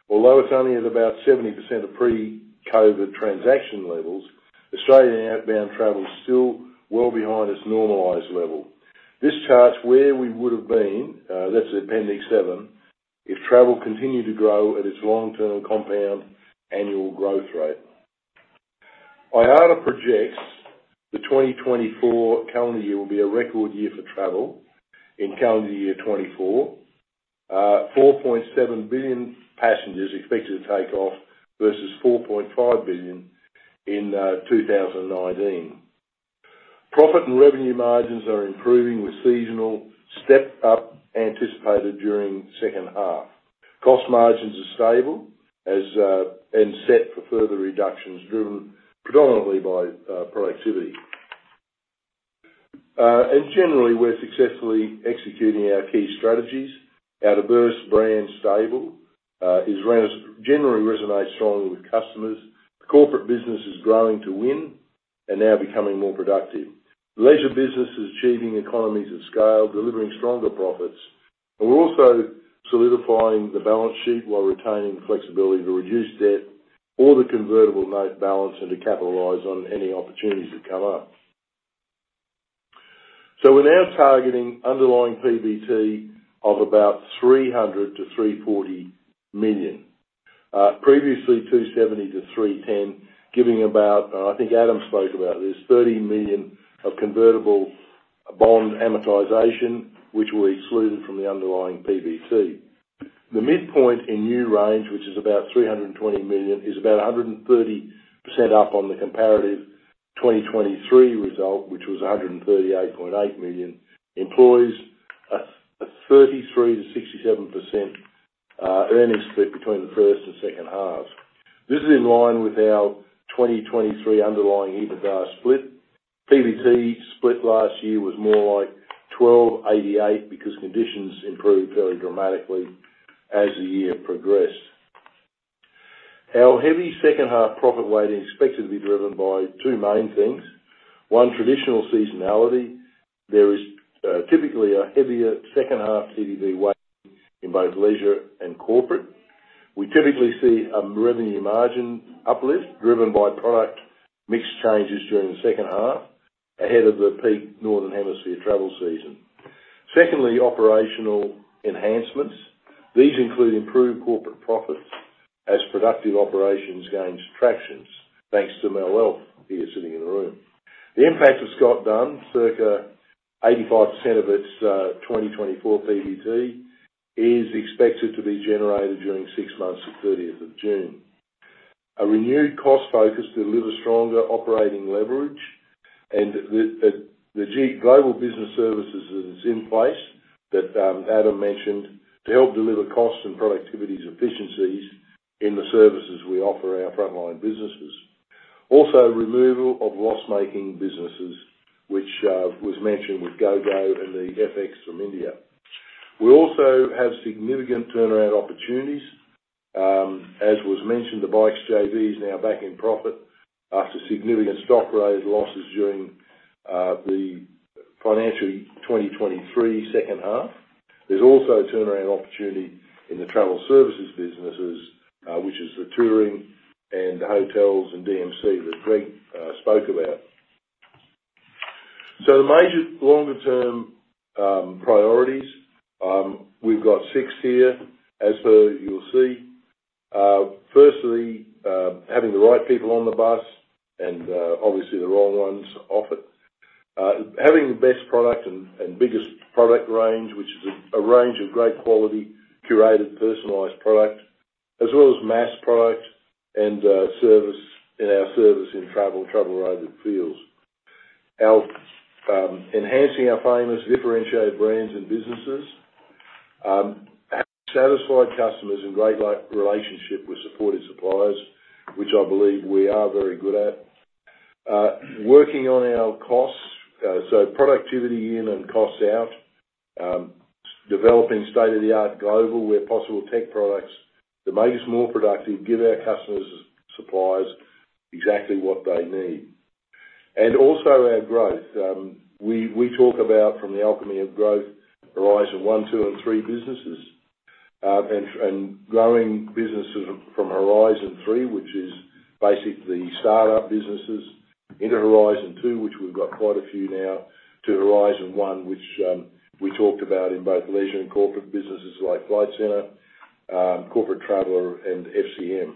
although it's only at about 70% of pre-COVID transaction levels, Australian outbound travel's still well behind its normalized level. This charts where we would have been. That's appendix 7 if travel continued to grow at its long-term compound annual growth rate. IATA projects the 2024 calendar year will be a record year for travel in calendar year 2024, 4.7 billion passengers expected to take off versus 4.5 billion in 2019. Profit and revenue margins are improving with seasonal step-up anticipated during second half. Cost margins are stable and set for further reductions driven predominantly by productivity. Generally, we're successfully executing our key strategies. Our diverse brand stable generally resonates strongly with customers. The corporate business is growing to win and now becoming more productive. Leisure business is achieving economies of scale, delivering stronger profits, and we're also solidifying the balance sheet while retaining flexibility to reduce debt or the convertible note balance and to capitalize on any opportunities that come up. So we're now targeting underlying PBT of about 300 million-340 million, previously 270 million-310 million, giving about, and I think Adam spoke about this, 30 million of convertible bond amortisation, which were excluded from the underlying PBT. The midpoint in new range, which is about 320 million, is about 130% up on the comparative 2023 result, which was 138.8 million, employs a 33%-67% earnings split between the first and second halves. This is in line with our 2023 underlying EBITDA split. PBT split last year was more like 12-88 because conditions improved fairly dramatically as the year progressed. Our heavy second-half profit weighting is expected to be driven by two main things. One, traditional seasonality. There is typically a heavier second-half TTV weighting in both leisure and corporate. We typically see a revenue margin uplift driven by product mix changes during the second half ahead of the peak northern hemisphere travel season. Secondly, operational enhancements. These include improved corporate profits as Productive Operations gain traction thanks to Mel here sitting in the room. The impact of Scott Dunn, circa 85% of its 2024 PBT, is expected to be generated during six months of 30th of June. A renewed cost focus delivers stronger operating leverage, and the Global Business Services that are in place that Adam mentioned to help deliver cost and productivity efficiencies in the services we offer our frontline businesses. Also, removal of loss-making businesses, which was mentioned with GOGO and the FX from India. We also have significant turnaround opportunities. As was mentioned, the Bikes JV is now back in profit after significant stock write losses during the financial 2023 second half. There's also turnaround opportunity in the Travel Services businesses, which is the touring and hotels and DMC that Greg spoke about. So the major longer-term priorities, we've got 6 here as per you'll see. Firstly, having the right people on the bus and obviously the wrong ones off it. Having the best product and biggest product range, which is a range of great quality, curated, personalized product as well as mass product and service in our service in travel, travel-related fields. Enhancing our famous differentiated brands and businesses. Satisfied customers and great relationship with supported suppliers, which I believe we are very good at. Working on our costs, so productivity in and costs out. Developing state-of-the-art global where possible tech products that make us more productive give our customers and suppliers exactly what they need. And also our growth. We talk about from the alchemy of growth, Horizon One, Two, and Three businesses and growing businesses from Horizon Three, which is basically startup businesses, into Horizon Two, which we've got quite a few now, to Horizon One, which we talked about in both leisure and corporate businesses like Flight Centre, Corporate Traveller, and FCM.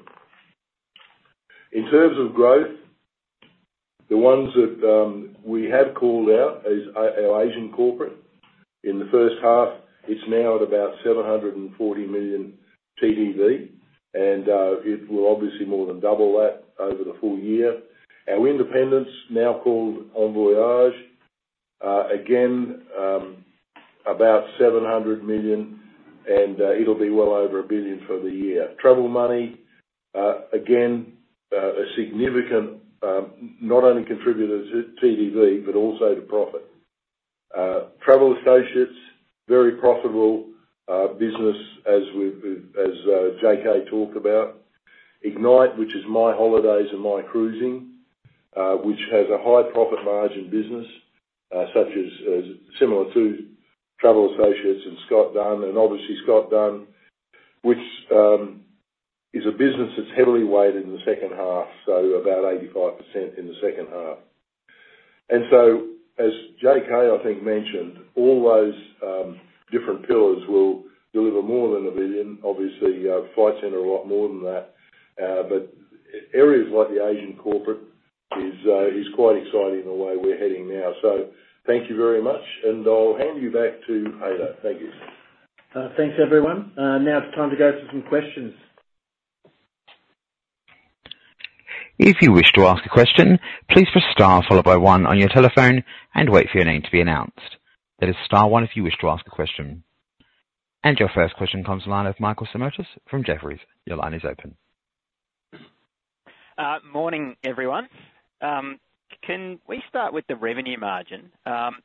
In terms of growth, the ones that we have called out is our Asian corporate in the first half. It's now at about 740 million TTV, and it will obviously more than double that over the full year. Our independents now called Envoyage, again, about 700 million, and it'll be well over 1 billion for the year. Travel Money, again, a significant not only contributor to TTV but also to profit. Travel Associates, very profitable business as JK talked about. Ignite, which is My Holiday and My Cruises, which has a high profit margin business similar to Travel Associates and Scott Dunn, and obviously Scott Dunn, which is a business that's heavily weighted in the second half, so about 85% in the second half. And so as JK, I think, mentioned, all those different pillars will deliver more than 1 billion. Obviously, Flight Centre a lot more than that, but areas like the Asian corporate is quite exciting the way we're heading now. So thank you very much, and I'll hand you back to Haydn. Thank you. Thanks, everyone. Now it's time to go through some questions. If you wish to ask a question, please press star followed by one on your telephone and wait for your name to be announced. That is star one if you wish to ask a question. Your first question comes to line of Michael Simotas from Jefferies. Your line is open. Morning, everyone. Can we start with the revenue margin?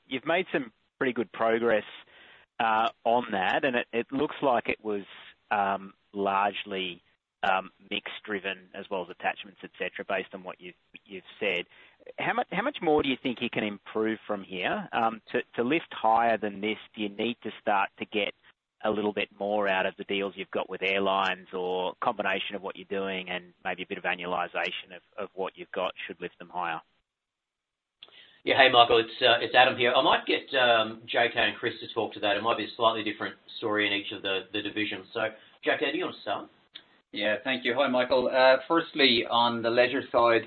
You've made some pretty good progress on that, and it looks like it was largely mix-driven as well as attachments, etc., based on what you've said. How much more do you think you can improve from here? To lift higher than this, do you need to start to get a little bit more out of the deals you've got with airlines or combination of what you're doing and maybe a bit of annualization of what you've got should lift them higher? Yeah. Hey, Michael. It's Adam here. I might get JK and Chris to talk to that. It might be a slightly different story in each of the divisions. So JK, do you want to start? Yeah, thank you. Hi, Michael. Firstly, on the leisure side,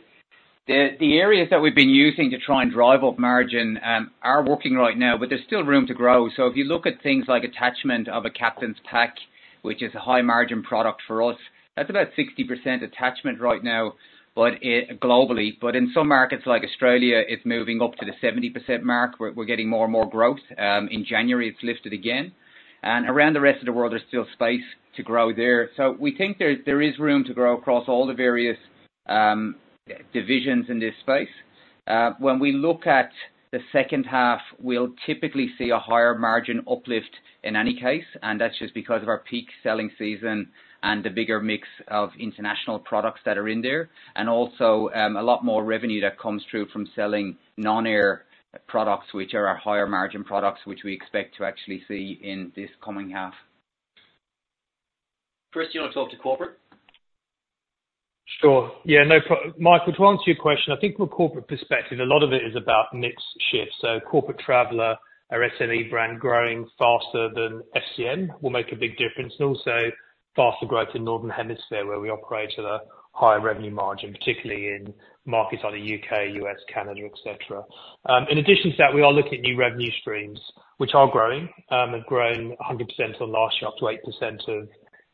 the areas that we've been using to try and drive up margin are working right now, but there's still room to grow. So if you look at things like attachment of a Captain's Pack, which is a high-margin product for us, that's about 60% attachment right now globally. But in some markets like Australia, it's moving up to the 70% mark. We're getting more and more growth. In January, it's lifted again. And around the rest of the world, there's still space to grow there. So we think there is room to grow across all the various divisions in this space. When we look at the second half, we'll typically see a higher margin uplift in any case, and that's just because of our peak selling season and the bigger mix of international products that are in there and also a lot more revenue that comes through from selling non-air products, which are our higher-margin products, which we expect to actually see in this coming half. Chris, do you want to talk to corporate? Sure. Yeah. Michael, to answer your question, I think from a corporate perspective, a lot of it is about mix shift. So Corporate Traveller, our SME brand growing faster than FCM, will make a big difference and also faster growth in northern hemisphere where we operate at a higher revenue margin, particularly in markets like the U.K., U.S., Canada, etc. In addition to that, we are looking at new revenue streams, which are growing. They've grown 100% on last year, up to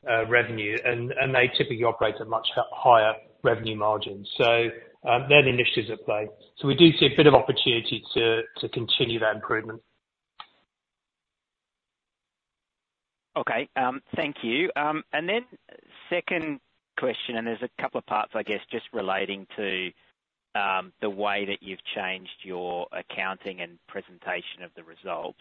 8% of revenue, and they typically operate at much higher revenue margins. So they're the initiatives at play. So we do see a bit of opportunity to continue that improvement. Okay. Thank you. And then second question, and there's a couple of parts, I guess, just relating to the way that you've changed your accounting and presentation of the results.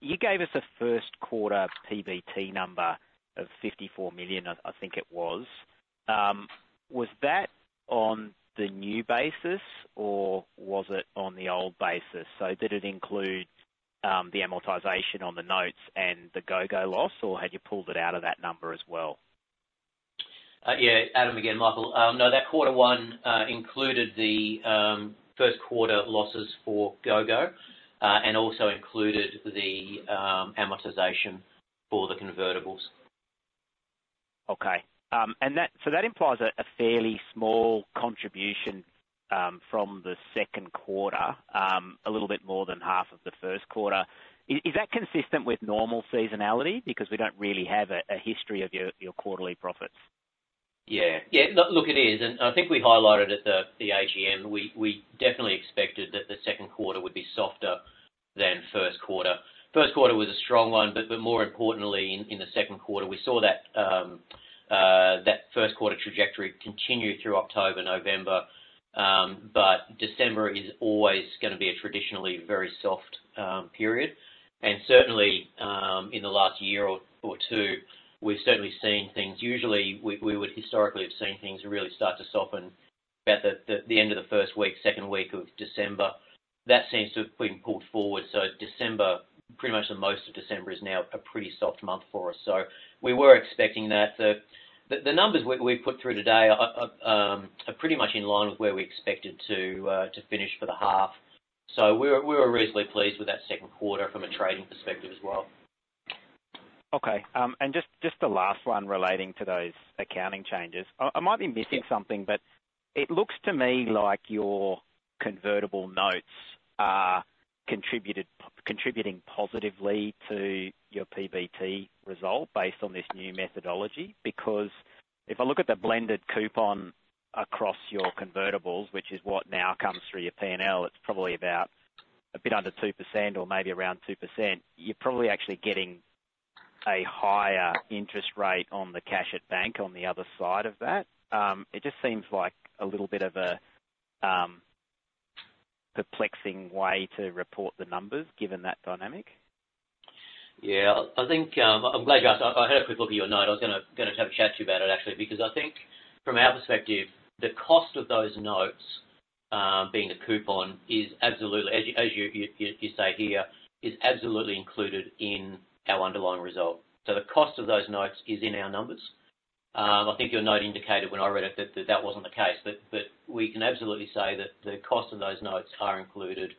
You gave us a first quarter PBT number of 54 million, I think it was. Was that on the new basis, or was it on the old basis? So did it include the amortization on the notes and the GOGO loss, or had you pulled it out of that number as well? Yeah. Adam again, Michael. No, that quarter one included the first quarter losses for GOGO and also included the amortization for the convertibles. Okay. So that implies a fairly small contribution from the second quarter, a little bit more than half of the first quarter. Is that consistent with normal seasonality? Because we don't really have a history of your quarterly profits. Yeah. Yeah. Look, it is. I think we highlighted at the AGM, we definitely expected that the second quarter would be softer than first quarter. First quarter was a strong one, but more importantly, in the second quarter, we saw that first quarter trajectory continue through October, November. But December is always going to be a traditionally very soft period. And certainly, in the last year or two, we've certainly seen things. Usually, we would historically have seen things really start to soften about the end of the first week, second week of December. That seems to have been pulled forward. So pretty much most of December is now a pretty soft month for us. So we were expecting that. The numbers we've put through today are pretty much in line with where we expected to finish for the half. We were reasonably pleased with that second quarter from a trading perspective as well. Okay. And just the last one relating to those accounting changes. I might be missing something, but it looks to me like your convertible notes are contributing positively to your PBT result based on this new methodology. Because if I look at the blended coupon across your convertibles, which is what now comes through your P&L, it's probably about a bit under 2% or maybe around 2%. You're probably actually getting a higher interest rate on the cash at bank on the other side of that. It just seems like a little bit of a perplexing way to report the numbers given that dynamic. Yeah. I'm glad you asked. I had a quick look at your note. I was going to have a chat to you about it, actually, because I think from our perspective, the cost of those notes being a coupon is absolutely, as you say here, is absolutely included in our underlying result. So the cost of those notes is in our numbers. I think your note indicated when I read it that that wasn't the case, but we can absolutely say that the cost of those notes are included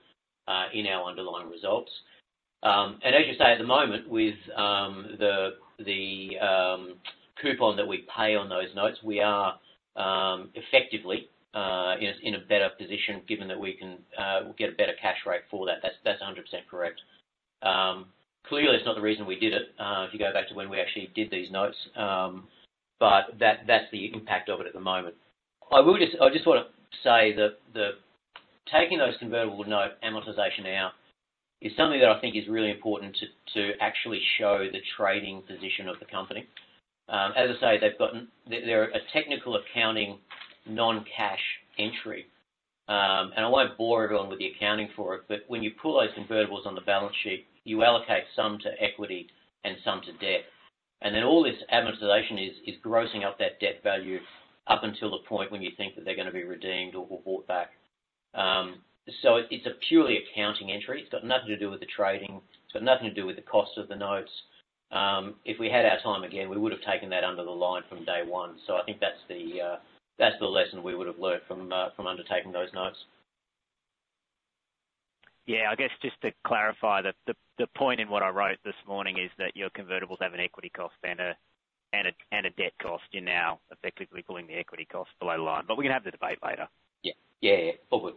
in our underlying results. And as you say, at the moment, with the coupon that we pay on those notes, we are effectively in a better position given that we can get a better cash rate for that. That's 100% correct. Clearly, it's not the reason we did it, if you go back to when we actually did these notes, but that's the impact of it at the moment. I just want to say that taking those convertible note amortization out is something that I think is really important to actually show the trading position of the company. As I say, they're a technical accounting non-cash entry. I won't bore everyone with the accounting for it, but when you pull those convertibles on the balance sheet, you allocate some to equity and some to debt. Then all this amortization is grossing up that debt value up until the point when you think that they're going to be redeemed or bought back. So it's a purely accounting entry. It's got nothing to do with the trading. It's got nothing to do with the cost of the notes. If we had our time again, we would have taken that under the line from day one. So I think that's the lesson we would have learned from undertaking those notes. Yeah. I guess just to clarify, the point in what I wrote this morning is that your convertibles have an equity cost and a debt cost. You're now effectively pulling the equity cost below the line. But we're going to have the debate later. Yeah. Yeah. Yeah. All good.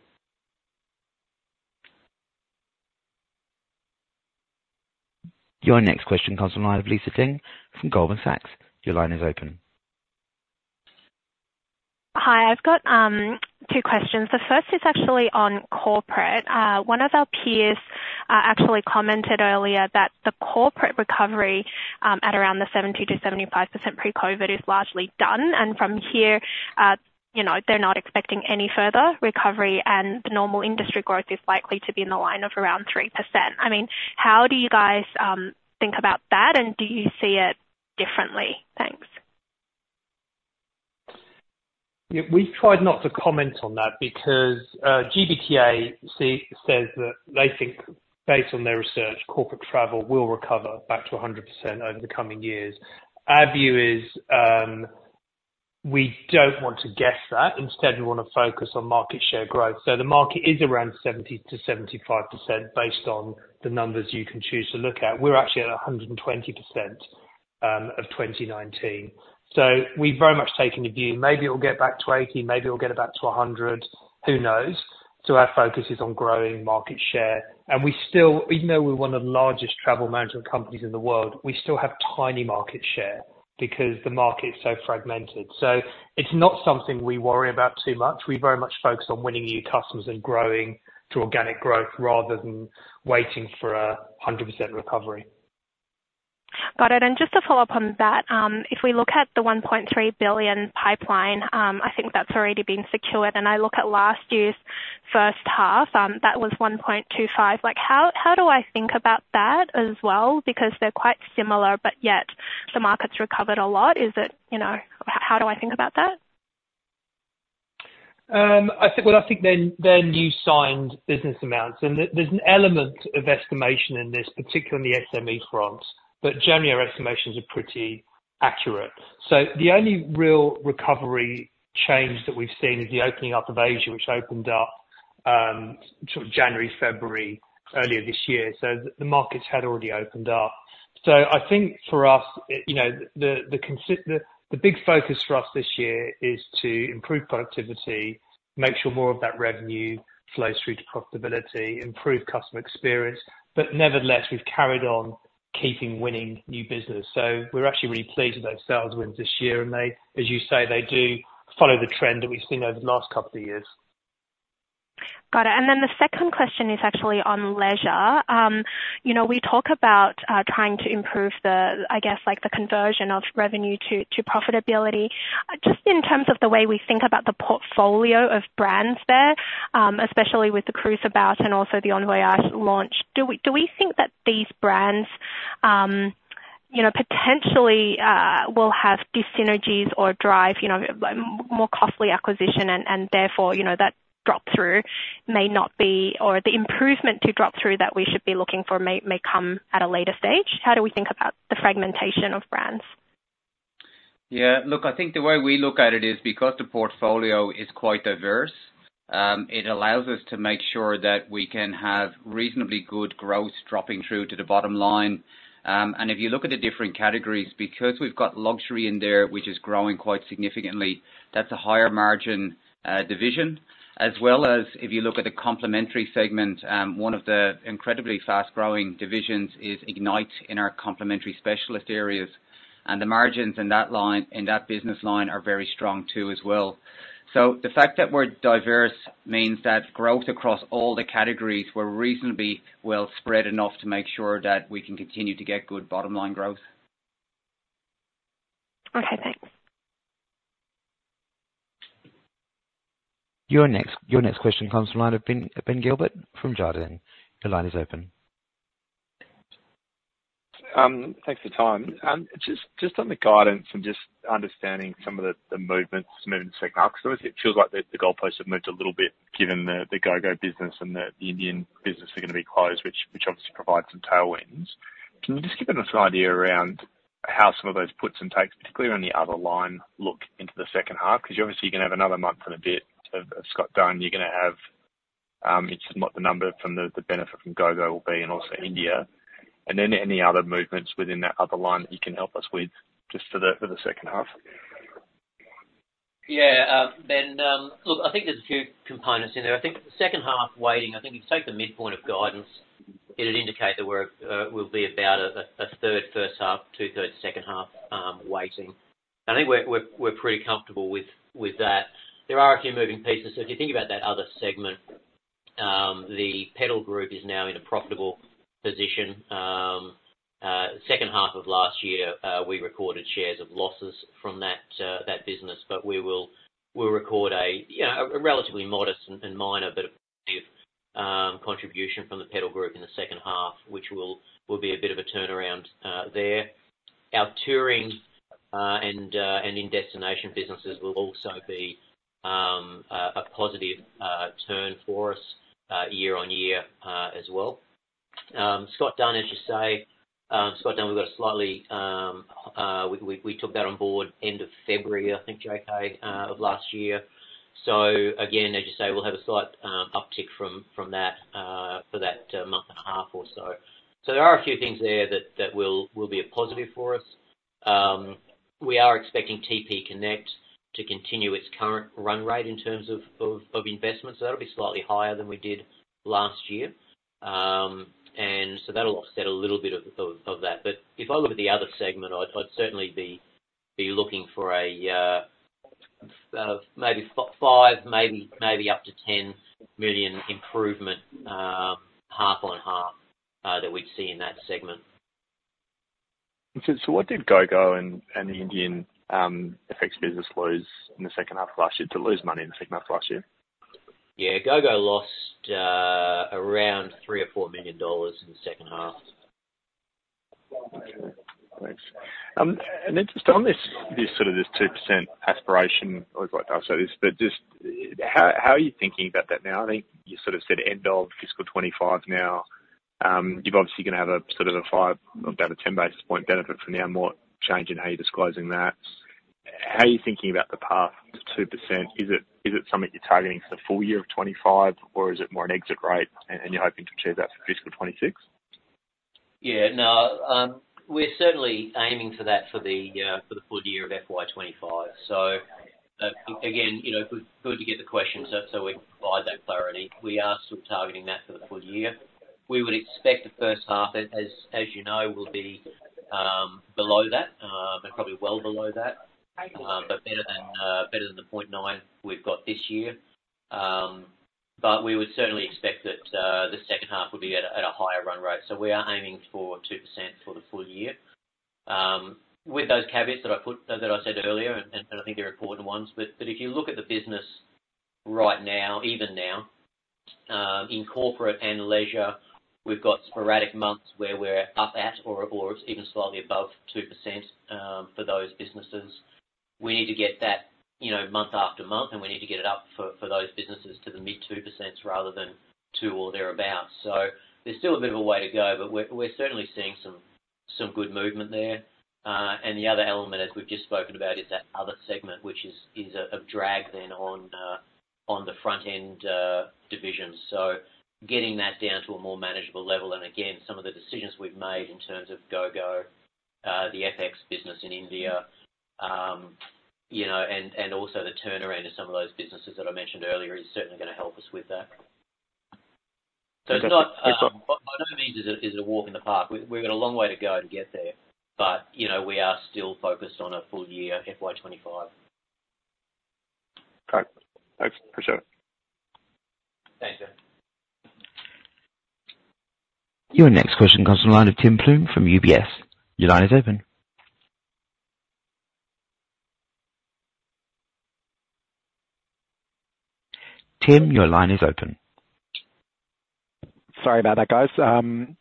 Your next question comes on line of Lisa Deng from Goldman Sachs. Your line is open. Hi. I've got two questions. The first is actually on corporate. One of our peers actually commented earlier that the corporate recovery at around the 70%-75% pre-COVID is largely done, and from here, they're not expecting any further recovery, and the normal industry growth is likely to be in the line of around 3%. I mean, how do you guys think about that, and do you see it differently? Thanks. Yeah. We've tried not to comment on that because GBTA says that they think, based on their research, Corporate Travel will recover back to 100% over the coming years. Our view is we don't want to guess that. Instead, we want to focus on market share growth. So the market is around 70%-75% based on the numbers you can choose to look at. We're actually at 120% of 2019. So we've very much taken the view maybe it'll get back to 80%, maybe it'll get it back to 100%. Who knows? So our focus is on growing market share. And even though we're one of the largest travel management companies in the world, we still have tiny market share because the market's so fragmented. So it's not something we worry about too much. We very much focus on winning new customers and growing to organic growth rather than waiting for a 100% recovery. Got it. And just to follow up on that, if we look at the 1.3 billion pipeline, I think that's already been secured. And I look at last year's first half, that was 1.25 billion. How do I think about that as well? Because they're quite similar, but yet the market's recovered a lot. How do I think about that? Well, I think they're new signed business amounts. There's an element of estimation in this, particularly on the SME front, but generally, our estimations are pretty accurate. The only real recovery change that we've seen is the opening up of Asia, which opened up sort of January, February earlier this year. The markets had already opened up. I think for us, the big focus for us this year is to improve productivity, make sure more of that revenue flows through to profitability, improve customer experience. Nevertheless, we've carried on keeping winning new business. We're actually really pleased with those sales wins this year, and as you say, they do follow the trend that we've seen over the last couple of years. Got it. And then the second question is actually on leisure. We talk about trying to improve, I guess, the conversion of revenue to profitability. Just in terms of the way we think about the portfolio of brands there, especially with the Cruiseabout and also the Envoyage launch, do we think that these brands potentially will have dissynergies or drive more costly acquisition, and therefore, that drop-through may not be or the improvement to drop-through that we should be looking for may come at a later stage? How do we think about the fragmentation of brands? Yeah. Look, I think the way we look at it is because the portfolio is quite diverse, it allows us to make sure that we can have reasonably good growth dropping through to the bottom line. And if you look at the different categories, because we've got luxury in there, which is growing quite significantly, that's a higher-margin division. As well as if you look at the complementary segment, one of the incredibly fast-growing divisions is Ignite in our complementary specialist areas. And the margins in that business line are very strong too as well. So the fact that we're diverse means that growth across all the categories were reasonably well spread enough to make sure that we can continue to get good bottom-line growth. Okay. Thanks. Your next question comes on line of Ben Gilbert from Jarden. Your line is open. Thanks for the time. Just on the guidance and just understanding some of the movements in the sector markets, it feels like the goalposts have moved a little bit given the GOGO business and the Indian business are going to be closed, which obviously provides some tailwinds. Can you just give us an idea around how some of those puts and takes, particularly around the other line, look into the second half? Because obviously, you're going to have another month and a bit of Scott Dunn. You're going to have it's not the number from the benefit from GOGO will be and also India. And then any other movements within that other line that you can help us with just for the second half? Yeah. Ben, look, I think there's a few components in there. I think the second half weighting, I think if you take the midpoint of guidance, it'd indicate that we'll be about 1/3 first half, 2/3 second half weighting. And I think we're pretty comfortable with that. There are a few moving pieces. So if you think about that other segment, the Pedal Group is now in a profitable position. Second half of last year, we recorded share of losses from that business, but we will record a relatively modest and minor bit of contribution from the Pedal Group in the second half, which will be a bit of a turnaround there. Our touring and in-destination businesses will also be a positive turn for us year-on-year as well. Scott Dunn, as you say, Scott Dunn, we've got a slightly—we took that on board end of February, I think, JK, of last year. So again, as you say, we'll have a slight uptick from that for that month and a half or so. So there are a few things there that will be a positive for us. We are expecting TPConnects to continue its current run rate in terms of investments. So that'll be slightly higher than we did last year. And so that'll offset a little bit of that. But if I look at the other segment, I'd certainly be looking for maybe 5 million, maybe up to 10 million improvement half on half that we'd see in that segment. What did GOGO and the Indian FX business lose in the second half of last year to lose money in the second half of last year? Yeah. GOGO lost around $3 million-$4 million in the second half. Thanks. And then just on sort of this 2% aspiration, I always like to ask about this, but just how are you thinking about that now? I think you sort of said end of fiscal 2025 now. You've obviously going to have a sort of a 5, about a 10 basis point benefit from now, more change in how you're disclosing that. How are you thinking about the path to 2%? Is it something you're targeting for the full year of 2025, or is it more an exit rate, and you're hoping to achieve that for fiscal 2026? Yeah. No, we're certainly aiming for that for the full year of FY 2025. So again, good to get the question so we can provide that clarity. We are still targeting that for the full year. We would expect the first half, as you know, will be below that and probably well below that, but better than the 0.9 we've got this year. But we would certainly expect that the second half would be at a higher run rate. So we are aiming for 2% for the full year with those caveats that I said earlier, and I think they're important ones. But if you look at the business right now, even now, in corporate and leisure, we've got sporadic months where we're up at or even slightly above 2% for those businesses. We need to get that month after month, and we need to get it up for those businesses to the mid-2% rather than 2% or thereabouts. So there's still a bit of a way to go, but we're certainly seeing some good movement there. And the other element, as we've just spoken about, is that other segment, which is a drag then on the front-end divisions. So getting that down to a more manageable level and, again, some of the decisions we've made in terms of GOGO, the FX business in India, and also the turnaround of some of those businesses that I mentioned earlier is certainly going to help us with that. So it's not by no means is it a walk in the park. We've got a long way to go to get there, but we are still focused on a full year FY 2025. Okay. Thanks. Appreciate it. Thanks, Ben. Your next question comes on line of Tim Plumbe from UBS. Your line is open. Tim, your line is open. Sorry about that, guys.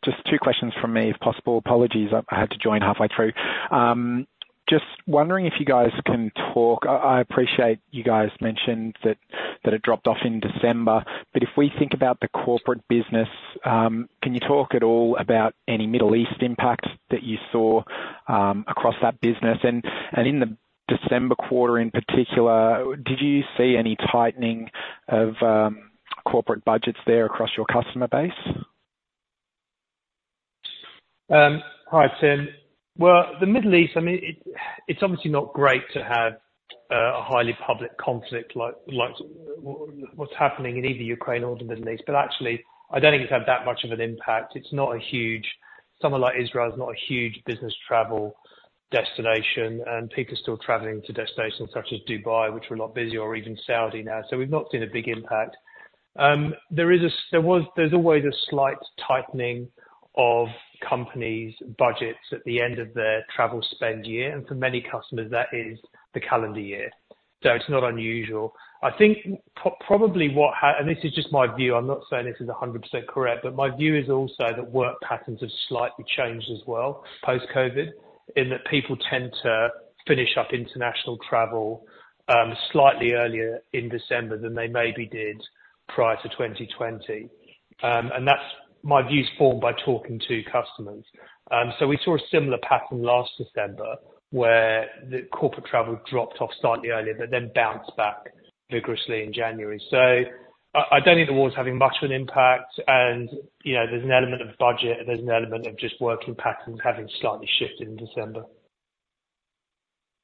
Just two questions from me, if possible. Apologies, I had to join halfway through. Just wondering if you guys can talk. I appreciate you guys mentioned that it dropped off in December, but if we think about the corporate business, can you talk at all about any Middle East impact that you saw across that business? And in the December quarter in particular, did you see any tightening of corporate budgets there across your customer base? Hi, Tim. Well, the Middle East, I mean, it's obviously not great to have a highly public conflict like what's happening in either Ukraine or the Middle East. But actually, I don't think it's had that much of an impact. It's not a huge somewhere like Israel is not a huge business travel destination, and people are still travelling to destinations such as Dubai, which were a lot busier, or even Saudi now. So we've not seen a big impact. There's always a slight tightening of companies' budgets at the end of their travel spend year, and for many customers, that is the calendar year. So it's not unusual. I think probably what and this is just my view. I'm not saying this is 100% correct, but my view is also that work patterns have slightly changed as well post-COVID in that people tend to finish up international travel slightly earlier in December than they maybe did prior to 2020. And my view's formed by talking to customers. So we saw a similar pattern last December where the corporate travel dropped off slightly earlier but then bounced back vigorously in January. So I don't think the war's having much of an impact, and there's an element of budget. There's an element of just working patterns having slightly shifted in December.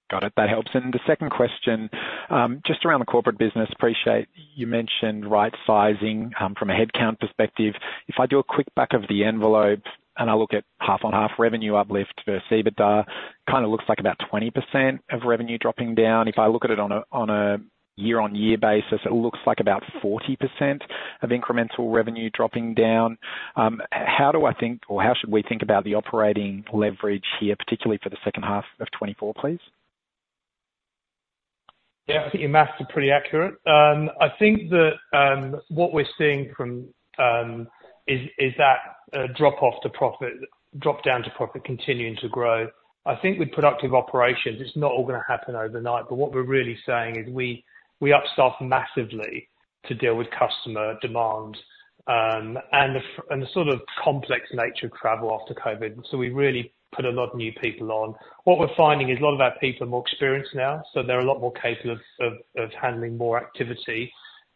Got it. That helps. And the second question, just around the corporate business, appreciate you mentioned right-sizing from a headcount perspective. If I do a quick back of the envelope and I look at half-on-half revenue uplift versus EBITDA, it kind of looks like about 20% of revenue dropping down. If I look at it on a year-on-year basis, it looks like about 40% of incremental revenue dropping down. How do I think or how should we think about the operating leverage here, particularly for the second half of 2024, please? Yeah. I think your math is pretty accurate. I think that what we're seeing from is that drop-off to profit drop-down to profit continuing to grow. I think with Productive Operations, it's not all going to happen overnight, but what we're really saying is we upstaff massively to deal with customer demand and the sort of complex nature of travel after COVID. So we really put a lot of new people on. What we're finding is a lot of our people are more experienced now, so they're a lot more capable of handling more activity.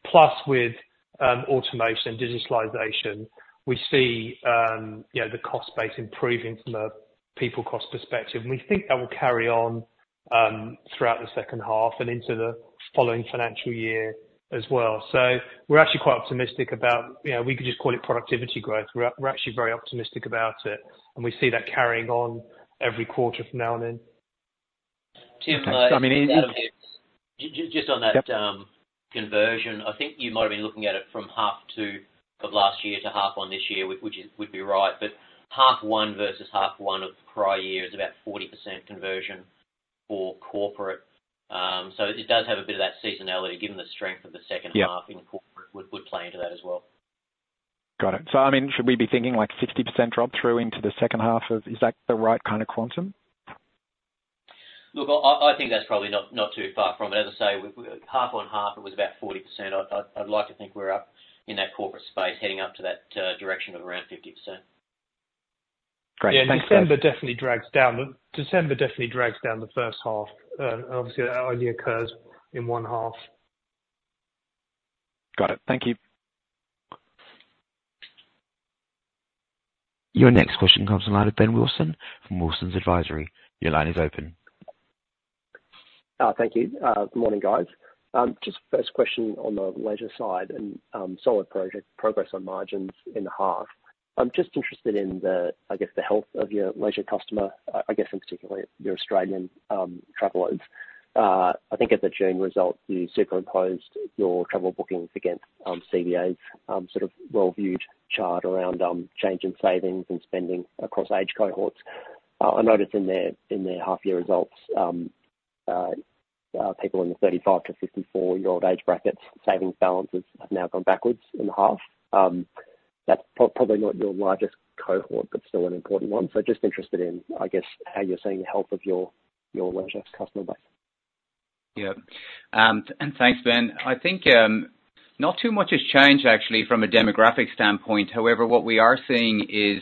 Plus, with automation and digitalization, we see the cost base improving from a people cost perspective, and we think that will carry on throughout the second half and into the following financial year as well. So we're actually quite optimistic about we could just call it productivity growth. We're actually very optimistic about it, and we see that carrying on every quarter from now on in. Tim, I mean. Thank you. Just on that conversion, I think you might have been looking at it from half of last year to half on this year, which would be right. But half one versus half one of prior year is about 40% conversion for corporate. So it does have a bit of that seasonality given the strength of the second half in corporate would play into that as well. Got it. So I mean, should we be thinking 60% drop-through into the second half of is that the right kind of quantum? Look, I think that's probably not too far from it. As I say, 50/50, it was about 40%. I'd like to think we're up in that corporate space heading up to that direction of around 50%. Great. Thanks, Adam. Yeah. December definitely drags down the first half, and obviously, that only occurs in one half. Got it. Thank you. Your next question comes on line of Ben Wilson from Wilsons Advisory. Your line is open. Thank you. Good morning, guys. Just first question on the leisure side and solid progress on margins in the half. I'm just interested in, I guess, the health of your leisure customer, I guess in particular, your Australian travelers. I think at the June result, you superimposed your travel bookings against CBA's sort of well-viewed chart around change in savings and spending across age cohorts. I noticed in their half-year results, people in the 35-54-year-old age brackets, savings balances have now gone backwards in the half. That's probably not your largest cohort but still an important one. So just interested in, I guess, how you're seeing the health of your leisure customer base. Yep. And thanks, Ben. I think not too much has changed, actually, from a demographic standpoint. However, what we are seeing is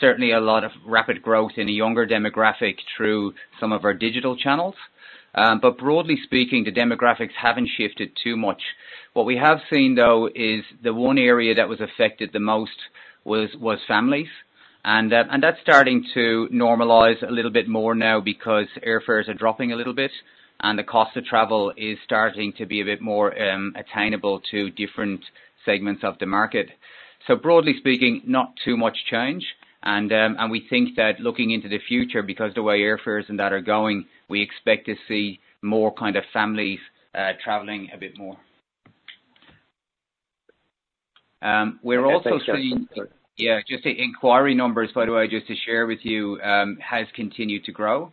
certainly a lot of rapid growth in a younger demographic through some of our digital channels. But broadly speaking, the demographics haven't shifted too much. What we have seen, though, is the one area that was affected the most was families, and that's starting to normalise a little bit more now because airfares are dropping a little bit, and the cost of travel is starting to be a bit more attainable to different segments of the market. So broadly speaking, not too much change. And we think that looking into the future, because the way airfares and that are going, we expect to see more kind of families travelling a bit more. We're also seeing. Thanks, Ben. Yeah. Just the inquiry numbers, by the way, just to share with you, have continued to grow.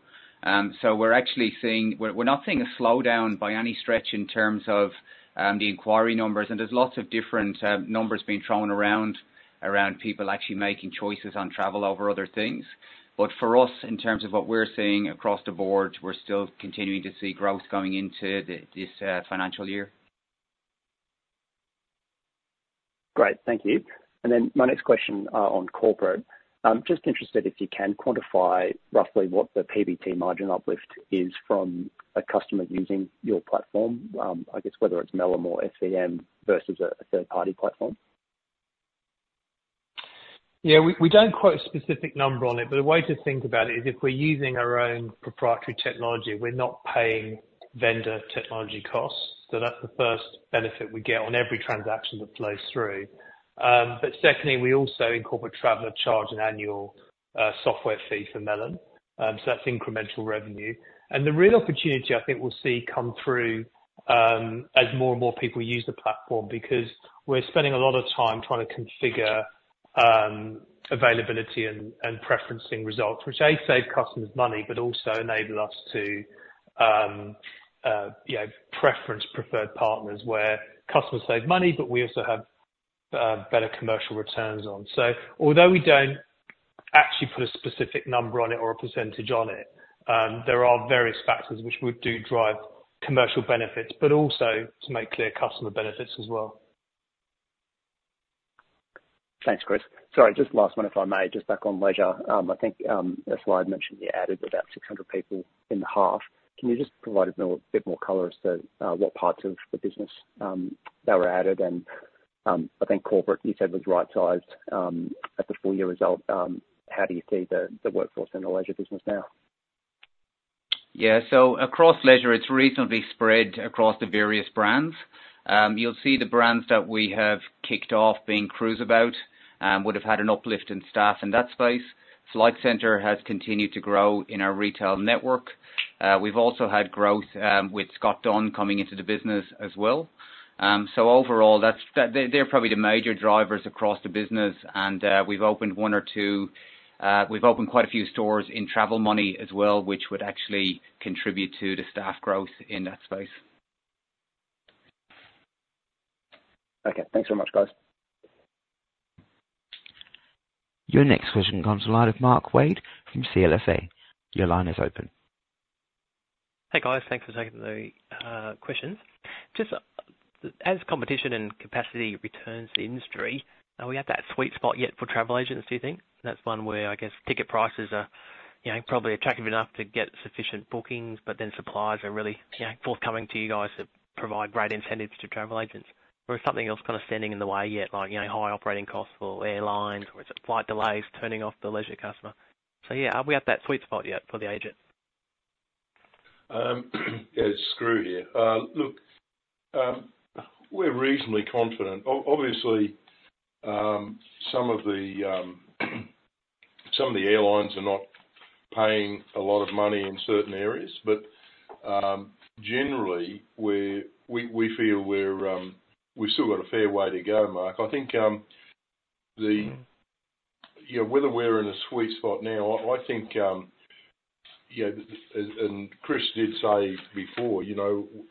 So we're actually not seeing a slowdown by any stretch in terms of the inquiry numbers, and there's lots of different numbers being thrown around people actually making choices on travel over other things. But for us, in terms of what we're seeing across the board, we're still continuing to see growth going into this financial year. Great. Thank you. And then my next question on corporate. Just interested, if you can, quantify roughly what the PBT margin uplift is from a customer using your platform, I guess whether it's Melon or FCM versus a third-party platform? Yeah. We don't quote a specific number on it, but a way to think about it is if we're using our own proprietary technology, we're not paying vendor technology costs. So that's the first benefit we get on every transaction that flows through. But secondly, we also charge travellers an annual software fee for Melon, so that's incremental revenue. And the real opportunity, I think, we'll see come through as more and more people use the platform because we're spending a lot of time trying to configure availability and preferencing results, which A, save customers money but also enable us to preference preferred partners where customers save money but we also have better commercial returns on. Although we don't actually put a specific number on it or a percentage on it, there are various factors which would drive commercial benefits but also to make clear customer benefits as well. Thanks, Chris. Sorry, just last one if I may. Just back on leisure, I think a slide mentioned you added about 600 people in the half. Can you just provide a bit more color as to what parts of the business that were added? And I think corporate, you said, was right-sized at the full-year result. How do you see the workforce in the leisure business now? Yeah. So across leisure, it's reasonably spread across the various brands. You'll see the brands that we have kicked off being Cruiseabout would have had an uplift in staff in that space. Flight Centre has continued to grow in our retail network. We've also had growth with Scott Dunn coming into the business as well. So overall, they're probably the major drivers across the business, and we've opened one or two we've opened quite a few stores in Travel Money as well, which would actually contribute to the staff growth in that space. Okay. Thanks very much, guys. Your next question comes on line of Mark Wade from CLSA. Your line is open. Hey, guys. Thanks for taking the questions. Just as competition and capacity returns to the industry, are we at that sweet spot yet for travel agents, do you think? That's one where, I guess, ticket prices are probably attractive enough to get sufficient bookings, but then supplies are really forthcoming to you guys to provide great incentives to travel agents. Or is something else kind of standing in the way yet, like high operating costs for airlines, or is it flight delays turning off the leisure customer? So yeah, are we at that sweet spot yet for the agent? Yeah. Skroo here. Look, we're reasonably confident. Obviously, some of the airlines are not paying a lot of money in certain areas, but generally, we feel we've still got a fair way to go, Mark. I think whether we're in a sweet spot now, I think and Chris did say before,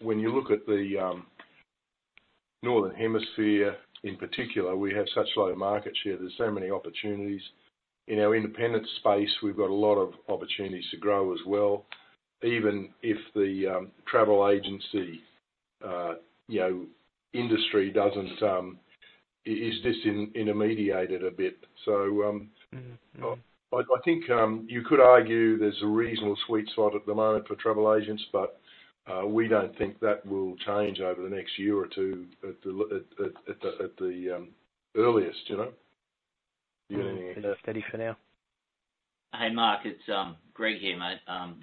when you look at the northern hemisphere in particular, we have such low market share. There's so many opportunities. In our independent space, we've got a lot of opportunities to grow as well, even if the travel agency industry is just intermediated a bit. So I think you could argue there's a reasonable sweet spot at the moment for travel agents, but we don't think that will change over the next year or two at the earliest. Do you have anything to add? I think we're steady for now. Hey, Mark. It's Greg here, mate.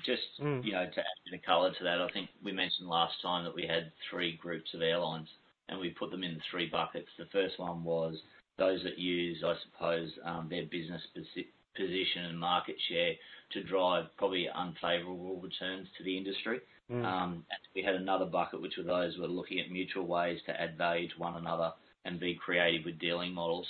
Just to add a bit of color to that, I think we mentioned last time that we had three groups of airlines, and we put them in three buckets. The first one was those that use, I suppose, their business position and market share to drive probably unfavorable returns to the industry. And we had another bucket, which were those who were looking at mutual ways to advantage one another and be creative with dealing models.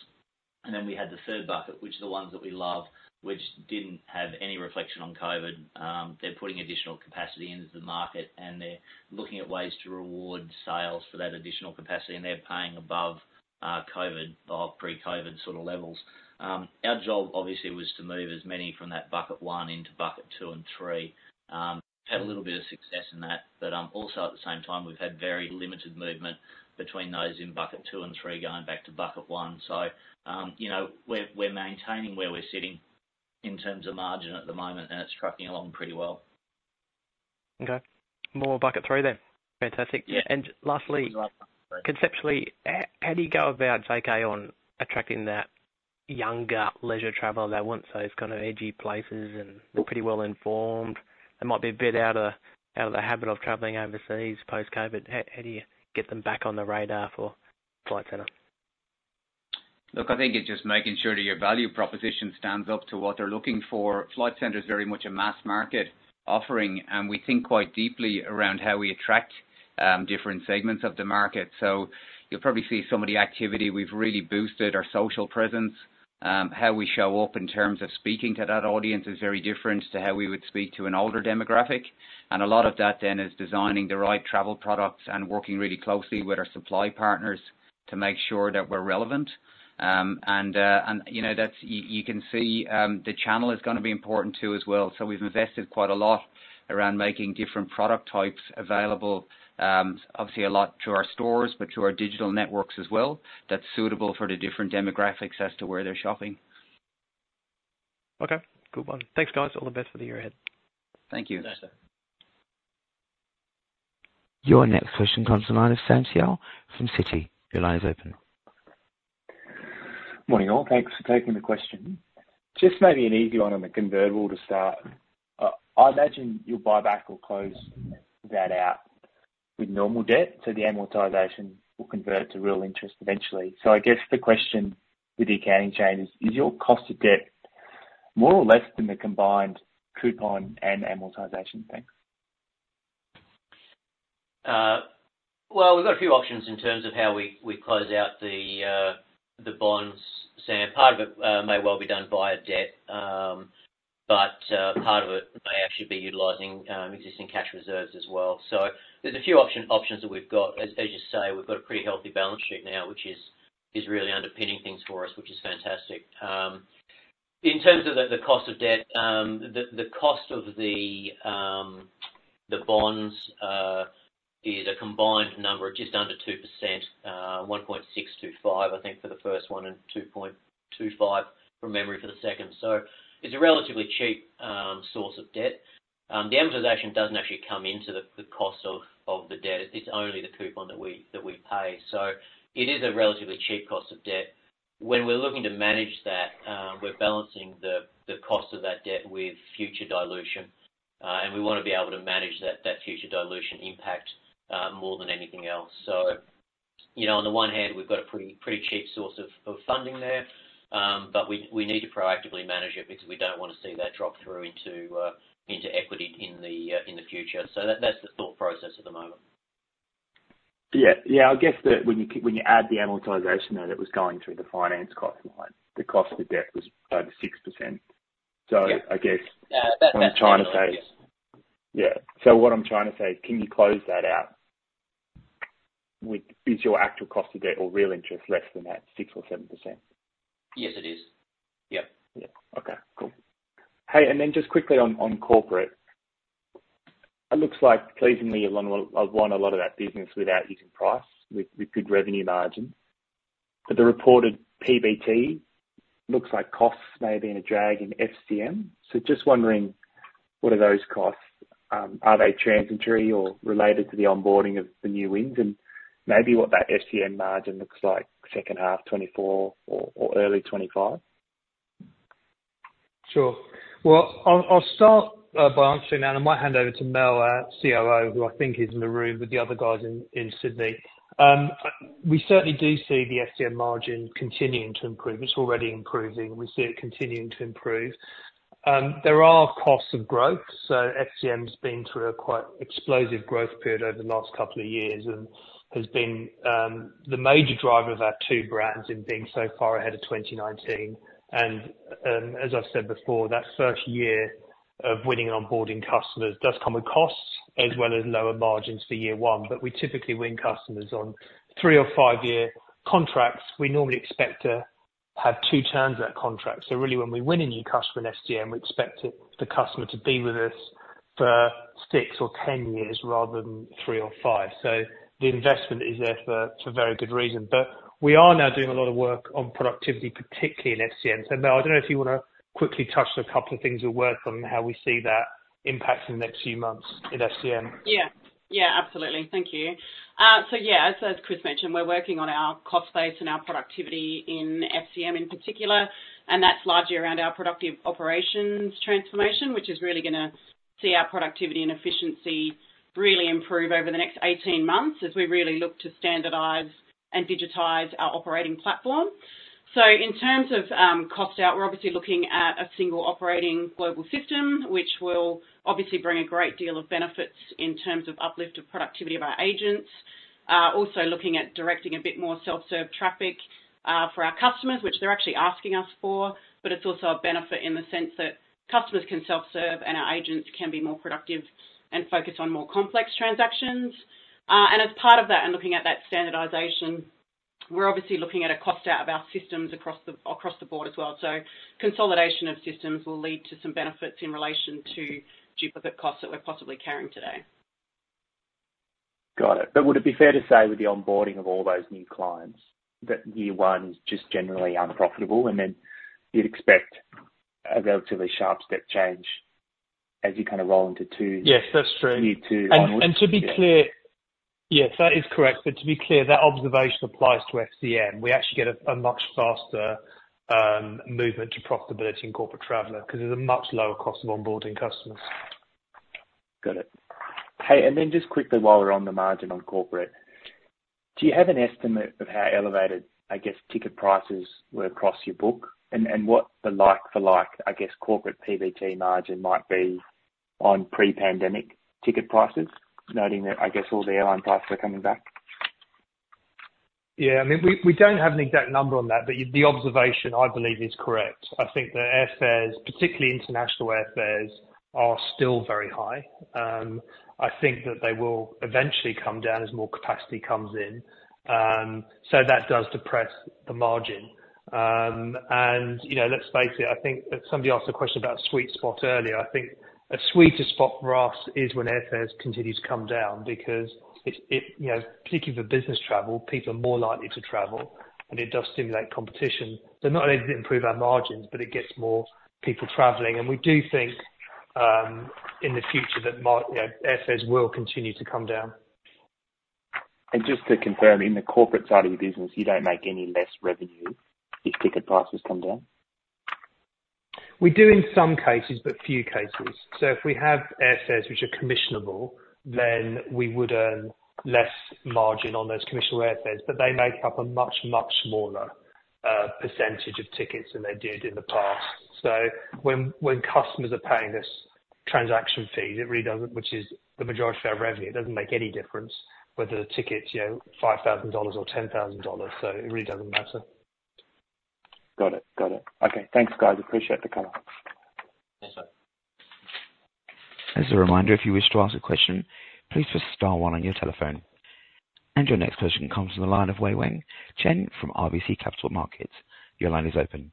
And then we had the third bucket, which are the ones that we love, which didn't have any reflection on COVID. They're putting additional capacity into the market, and they're looking at ways to reward sales for that additional capacity, and they're paying above pre-COVID sort of levels. Our job, obviously, was to move as many from that bucket one into bucket two and three. We've had a little bit of success in that, but also at the same time, we've had very limited movement between those in bucket two and three going back to bucket one. We're maintaining where we're sitting in terms of margin at the moment, and it's trucking along pretty well. Okay. More bucket three then. Fantastic. And lastly, conceptually, how do you go about, say, JK, on attracting that younger leisure traveler that wants those kind of edgy places and they're pretty well-informed? They might be a bit out of the habit of traveling overseas post-COVID. How do you get them back on the radar for Flight Centre? Look, I think it's just making sure that your value proposition stands up to what they're looking for. Flight Centre is very much a mass market offering, and we think quite deeply around how we attract different segments of the market. So you'll probably see some of the activity. We've really boosted our social presence. How we show up in terms of speaking to that audience is very different to how we would speak to an older demographic. And a lot of that then is designing the right travel products and working really closely with our supply partners to make sure that we're relevant. And you can see the channel is going to be important too as well. So we've invested quite a lot around making different product types available, obviously, a lot through our stores but through our digital networks as well, that's suitable for the different demographics as to where they're shopping. Okay. Good one. Thanks, guys. All the best for the year ahead. Thank you. Thanks, Ben. Your next question comes on line of Sam Seow from Citi. Your line is open. Morning, all. Thanks for taking the question. Just maybe an easy one on the convertible to start. I imagine you'll buy back or close that out with normal debt, so the amortization will convert to real interest eventually. So I guess the question with the accounting change is, is your cost of debt more or less than the combined coupon and amortization? Well, we've got a few options in terms of how we close out the bonds. Sam, part of it may well be done via debt, but part of it may actually be utilizing existing cash reserves as well. So there's a few options that we've got. As you say, we've got a pretty healthy balance sheet now, which is really underpinning things for us, which is fantastic. In terms of the cost of debt, the cost of the bonds is a combined number of just under 2%, 1.625, I think, for the first one and 2.25 from memory for the second. So it's a relatively cheap source of debt. The amortisation doesn't actually come into the cost of the debt. It's only the coupon that we pay. So it is a relatively cheap cost of debt. When we're looking to manage that, we're balancing the cost of that debt with future dilution, and we want to be able to manage that future dilution impact more than anything else. So on the one hand, we've got a pretty cheap source of funding there, but we need to proactively manage it because we don't want to see that drop through into equity in the future. So that's the thought process at the moment. Yeah. Yeah. I guess that when you add the amortization there, that was going through the finance cost line. The cost of debt was over 6%. So I guess what I'm trying to say is. Yeah. That's the idea. Yeah. So what I'm trying to say is, can you close that out with is your actual cost of debt or real interest less than that 6% or 7%? Yes, it is. Yep. Yeah. Okay. Cool. Hey, and then just quickly on corporate, it looks like pleasingly, you'll want a lot of that business without using price, with good revenue margin. But the reported PBT looks like costs may have been a drag in FCM. So just wondering, what are those costs? Are they transitory or related to the onboarding of the new wins? And maybe what that FCM margin looks like second half, 2024, or early 2025? Sure. Well, I'll start by answering that, and I might hand over to Mel, COO, who I think is in the room with the other guys in Sydney. We certainly do see the FCM margin continuing to improve. It's already improving. We see it continuing to improve. There are costs of growth. So FCM's been through a quite explosive growth period over the last couple of years and has been the major driver of our two brands in being so far ahead of 2019. As I've said before, that first year of winning and onboarding customers does come with costs as well as lower margins for year one. But we typically win customers on 3- or 5-year contracts. We normally expect to have 2 turns of that contract. So really, when we win a new customer in FCM, we expect the customer to be with us for 6 or 10 years rather than 3 or 5. So the investment is there for very good reason. But we are now doing a lot of work on productivity, particularly in FCM. So Mel, I don't know if you want to quickly touch on a couple of things we're working on, how we see that impacting the next few months in FCM. Yeah. Yeah. Absolutely. Thank you. So yeah, as Chris mentioned, we're working on our cost base and our productivity in FCM in particular, and that's largely around our Productive Operations transformation, which is really going to see our productivity and efficiency really improve over the next 18 months as we really look to standardize and digitize our operating platform. So in terms of cost out, we're obviously looking at a single operating global system, which will obviously bring a great deal of benefits in terms of uplift of productivity of our agents. Also looking at directing a bit more self-serve traffic for our customers, which they're actually asking us for, but it's also a benefit in the sense that customers can self-serve and our agents can be more productive and focus on more complex transactions. As part of that and looking at that standardization, we're obviously looking at a cost out of our systems across the board as well. Consolidation of systems will lead to some benefits in relation to duplicate costs that we're possibly carrying today. Got it. But would it be fair to say with the onboarding of all those new clients that year one is just generally unprofitable, and then you'd expect a relatively sharp step change as you kind of roll into year two onwards? Yes. That's true. To be clear, yeah, that is correct. But to be clear, that observation applies to FCM. We actually get a much faster movement to profitability in Corporate Traveller because there's a much lower cost of onboarding customers. Got it. Hey, and then just quickly while we're on the margin on corporate, do you have an estimate of how elevated, I guess, ticket prices were across your book and what the like-for-like, I guess, corporate PBT margin might be on pre-pandemic ticket prices, noting that, I guess, all the airline prices are coming back? Yeah. I mean, we don't have an exact number on that, but the observation, I believe, is correct. I think the airfares, particularly international airfares, are still very high. I think that they will eventually come down as more capacity comes in. So that does depress the margin. And let's face it, I think somebody asked a question about a sweet spot earlier. I think a sweeter spot for us is when airfares continue to come down because, particularly for business travel, people are more likely to travel, and it does stimulate competition. So not only does it improve our margins, but it gets more people traveling. And we do think in the future that airfares will continue to come down. Just to confirm, in the corporate side of the business, you don't make any less revenue if ticket prices come down? We do in some cases, but few cases. So if we have airfares which are commissionable, then we would earn less margin on those commissionable airfares. But they make up a much, much smaller percentage of tickets than they did in the past. So when customers are paying us transaction fees, it really doesn't which is the majority of our revenue. It doesn't make any difference whether the ticket's 5,000 dollars or 10,000 dollars. So it really doesn't matter. Got it. Got it. Okay. Thanks, guys. Appreciate the color. Thanks, mate. As a reminder, if you wish to ask a question, please press star one on your telephone. Your next question comes from the line of Wei-Weng Chen from RBC Capital Markets. Your line is open.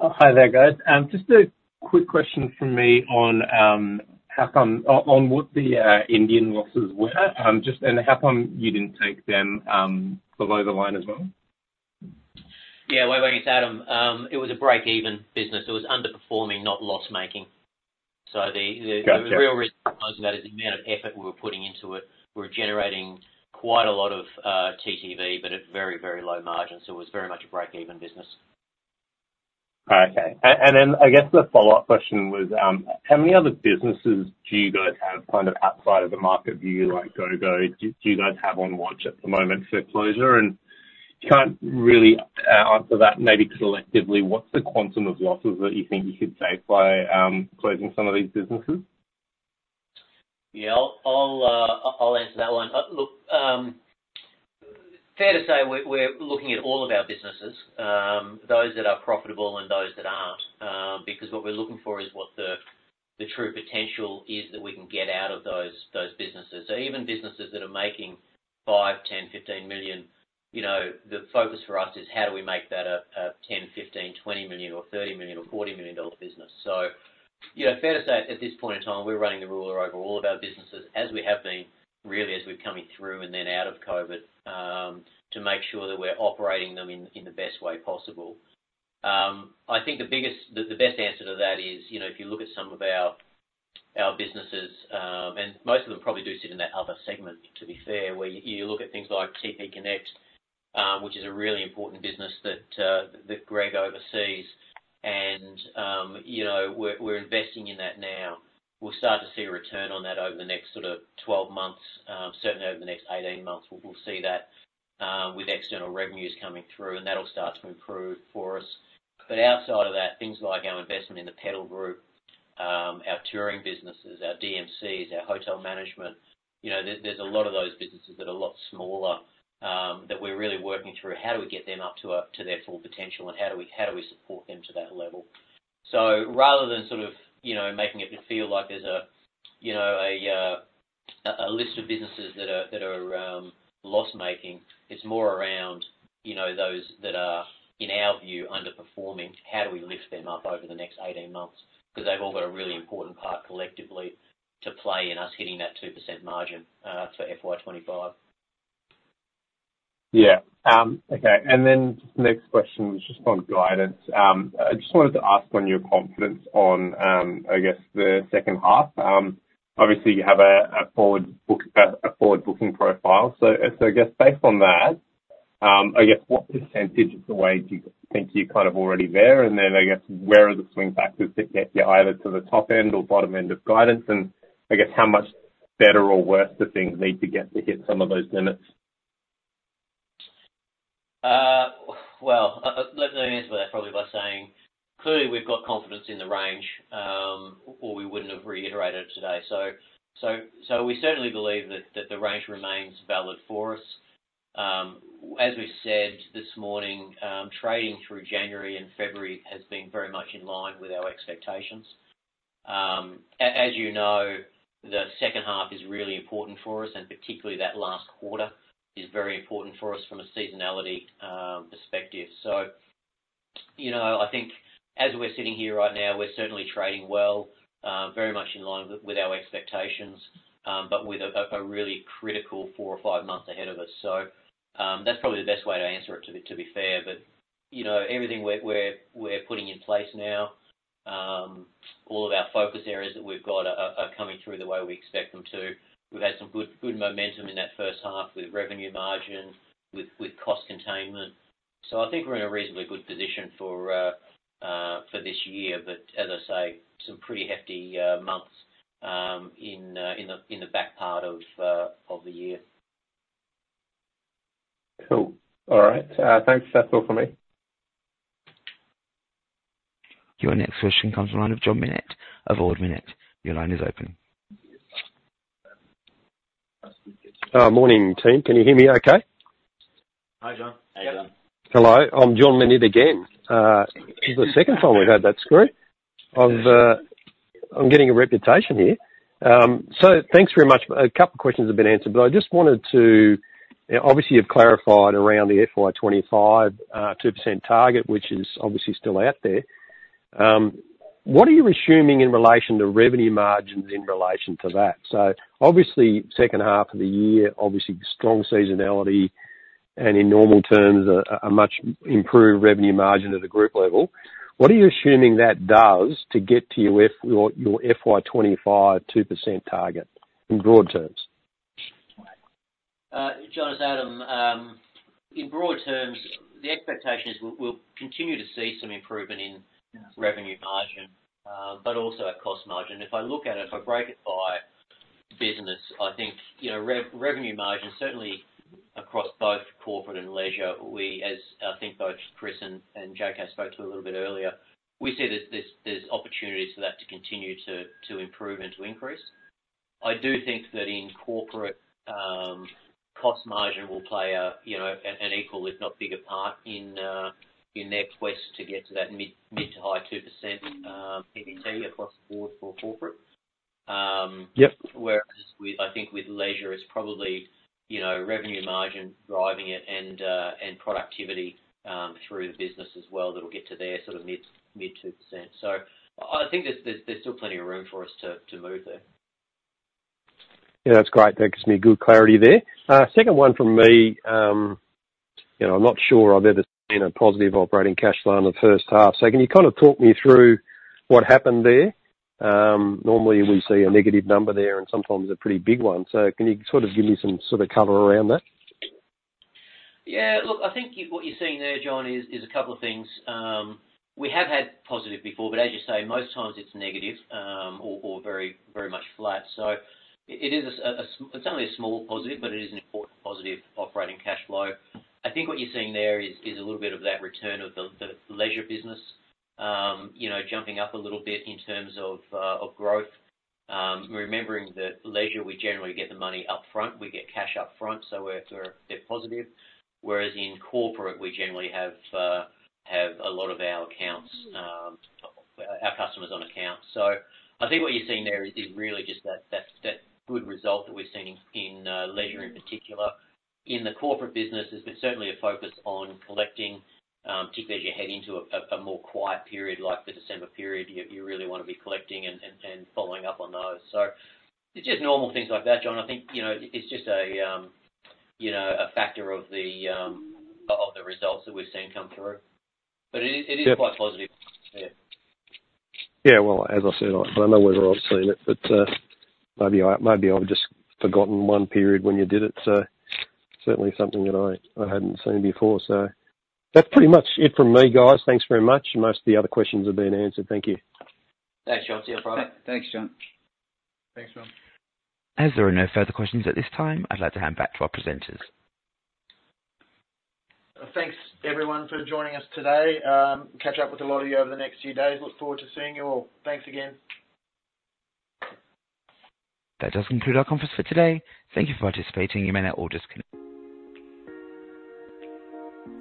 Hi there, guys. Just a quick question from me on what the Indian losses were and how come you didn't take them below the line as well? Yeah. Wei-Weng, it's Adam. It was a break-even business. It was underperforming, not loss-making. So the real reason for closing that is the amount of effort we were putting into it. We were generating quite a lot of TTV, but at very, very low margins. So it was very much a break-even business. Okay. And then I guess the follow-up question was, how many other businesses do you guys have kind of outside of the market view like GOGO? Do you guys have on watch at the moment for closure? And if you can't really answer that maybe collectively, what's the quantum of losses that you think you could save by closing some of these businesses? Yeah. I'll answer that one. Look, fair to say we're looking at all of our businesses, those that are profitable and those that aren't, because what we're looking for is what the true potential is that we can get out of those businesses. So even businesses that are making 5 million, 10 million, 15 million, the focus for us is, how do we make that a 10 million, 15 million, 20 million, or 30 million, or 40 million-dollar business? So fair to say at this point in time, we're running the ruler over all of our businesses as we have been, really, as we've come through and then out of COVID to make sure that we're operating them in the best way possible. I think the best answer to that is if you look at some of our businesses and most of them probably do sit in that other segment, to be fair, where you look at things like TPConnects, which is a really important business that Greg oversees, and we're investing in that now. We'll start to see a return on that over the next sort of 12 months. Certainly, over the next 18 months, we'll see that with external revenues coming through, and that'll start to improve for us. But outside of that, things like our investment in the Pedal Group, our touring businesses, our DMCs, our hotel management, there's a lot of those businesses that are a lot smaller that we're really working through. How do we get them up to their full potential, and how do we support them to that level? Rather than sort of making it feel like there's a list of businesses that are loss-making, it's more around those that are, in our view, underperforming. How do we lift them up over the next 18 months? Because they've all got a really important part collectively to play in us hitting that 2% margin for FY 2025. Yeah. Okay. And then the next question was just on guidance. I just wanted to ask on your confidence on, I guess, the second half. Obviously, you have a forward-looking profile. So I guess based on that, I guess what percentage of the way do you think you're kind of already there? And then I guess where are the swing factors that get you either to the top end or bottom end of guidance? And I guess how much better or worse do things need to get to hit some of those limits? Well, let me answer that probably by saying, clearly, we've got confidence in the range, or we wouldn't have reiterated it today. So we certainly believe that the range remains valid for us. As we said this morning, trading through January and February has been very much in line with our expectations. As you know, the second half is really important for us, and particularly that last quarter is very important for us from a seasonality perspective. So I think as we're sitting here right now, we're certainly trading well, very much in line with our expectations, but with a really critical four or five months ahead of us. So that's probably the best way to answer it, to be fair. But everything we're putting in place now, all of our focus areas that we've got are coming through the way we expect them to. We've had some good momentum in that first half with revenue margin, with cost containment. So I think we're in a reasonably good position for this year, but as I say, some pretty hefty months in the back part of the year. Cool. All right. Thanks. That's all from me. Your next question comes on line of John Bennett of Ord Minnett. Your line is open. Morning, team. Can you hear me okay? Hi, John. Hey, John. Hello. I'm John Minnett again. This is the second time we've had that screw. I'm getting a reputation here. So thanks very much. A couple of questions have been answered, but I just wanted to obviously, you've clarified around the FY 2025 2% target, which is obviously still out there. What are you assuming in relation to revenue margins in relation to that? So obviously, second half of the year, obviously, strong seasonality and in normal terms, a much improved revenue margin at the group level. What are you assuming that does to get to your FY 2025 2% target in broad terms? John, it's Adam, in broad terms, the expectation is we'll continue to see some improvement in revenue margin but also at cost margin. If I look at it, if I break it by business, I think revenue margin, certainly across both corporate and leisure, as I think both Chris and J.K. spoke to a little bit earlier, we see that there's opportunities for that to continue to improve and to increase. I do think that in corporate, cost margin will play an equal, if not bigger part in their quest to get to that mid- to high 2% PBT across the board for corporate. Whereas I think with leisure, it's probably revenue margin driving it and productivity through the business as well that'll get to their sort of mid 2%. So I think there's still plenty of room for us to move there. Yeah. That's great. That gives me good clarity there. Second one from me. I'm not sure I've ever seen a positive operating cash line in the first half. So can you kind of talk me through what happened there? Normally, we see a negative number there, and sometimes a pretty big one. So can you sort of give me some sort of color around that? Yeah. Look, I think what you're seeing there, John, is a couple of things. We have had positive before, but as you say, most times it's negative or very much flat. So it's only a small positive, but it is an important positive operating cash flow. I think what you're seeing there is a little bit of that return of the leisure business jumping up a little bit in terms of growth. Remembering that leisure, we generally get the money upfront. We get cash upfront, so they're positive. Whereas in corporate, we generally have a lot of our customers on account. So I think what you're seeing there is really just that good result that we've seen in leisure in particular. In the corporate business, there's been certainly a focus on collecting, particularly as you head into a more quiet period like the December period. You really want to be collecting and following up on those. So it's just normal things like that, John. I think it's just a factor of the results that we've seen come through. But it is quite positive. Yeah. Yeah. Well, as I said, I know we've all seen it, but maybe I've just forgotten one period when you did it. So certainly something that I hadn't seen before. So that's pretty much it from me, guys. Thanks very much. Most of the other questions have been answered. Thank you. Thanks, John. See you on Friday. Thanks, John. Thanks, John. As there are no further questions at this time, I'd like to hand back to our presenters. Thanks, everyone, for joining us today. Catch up with a lot of you over the next few days. Look forward to seeing you all. Thanks again. That does conclude our conference for today. Thank you for participating. You may now all disconnect.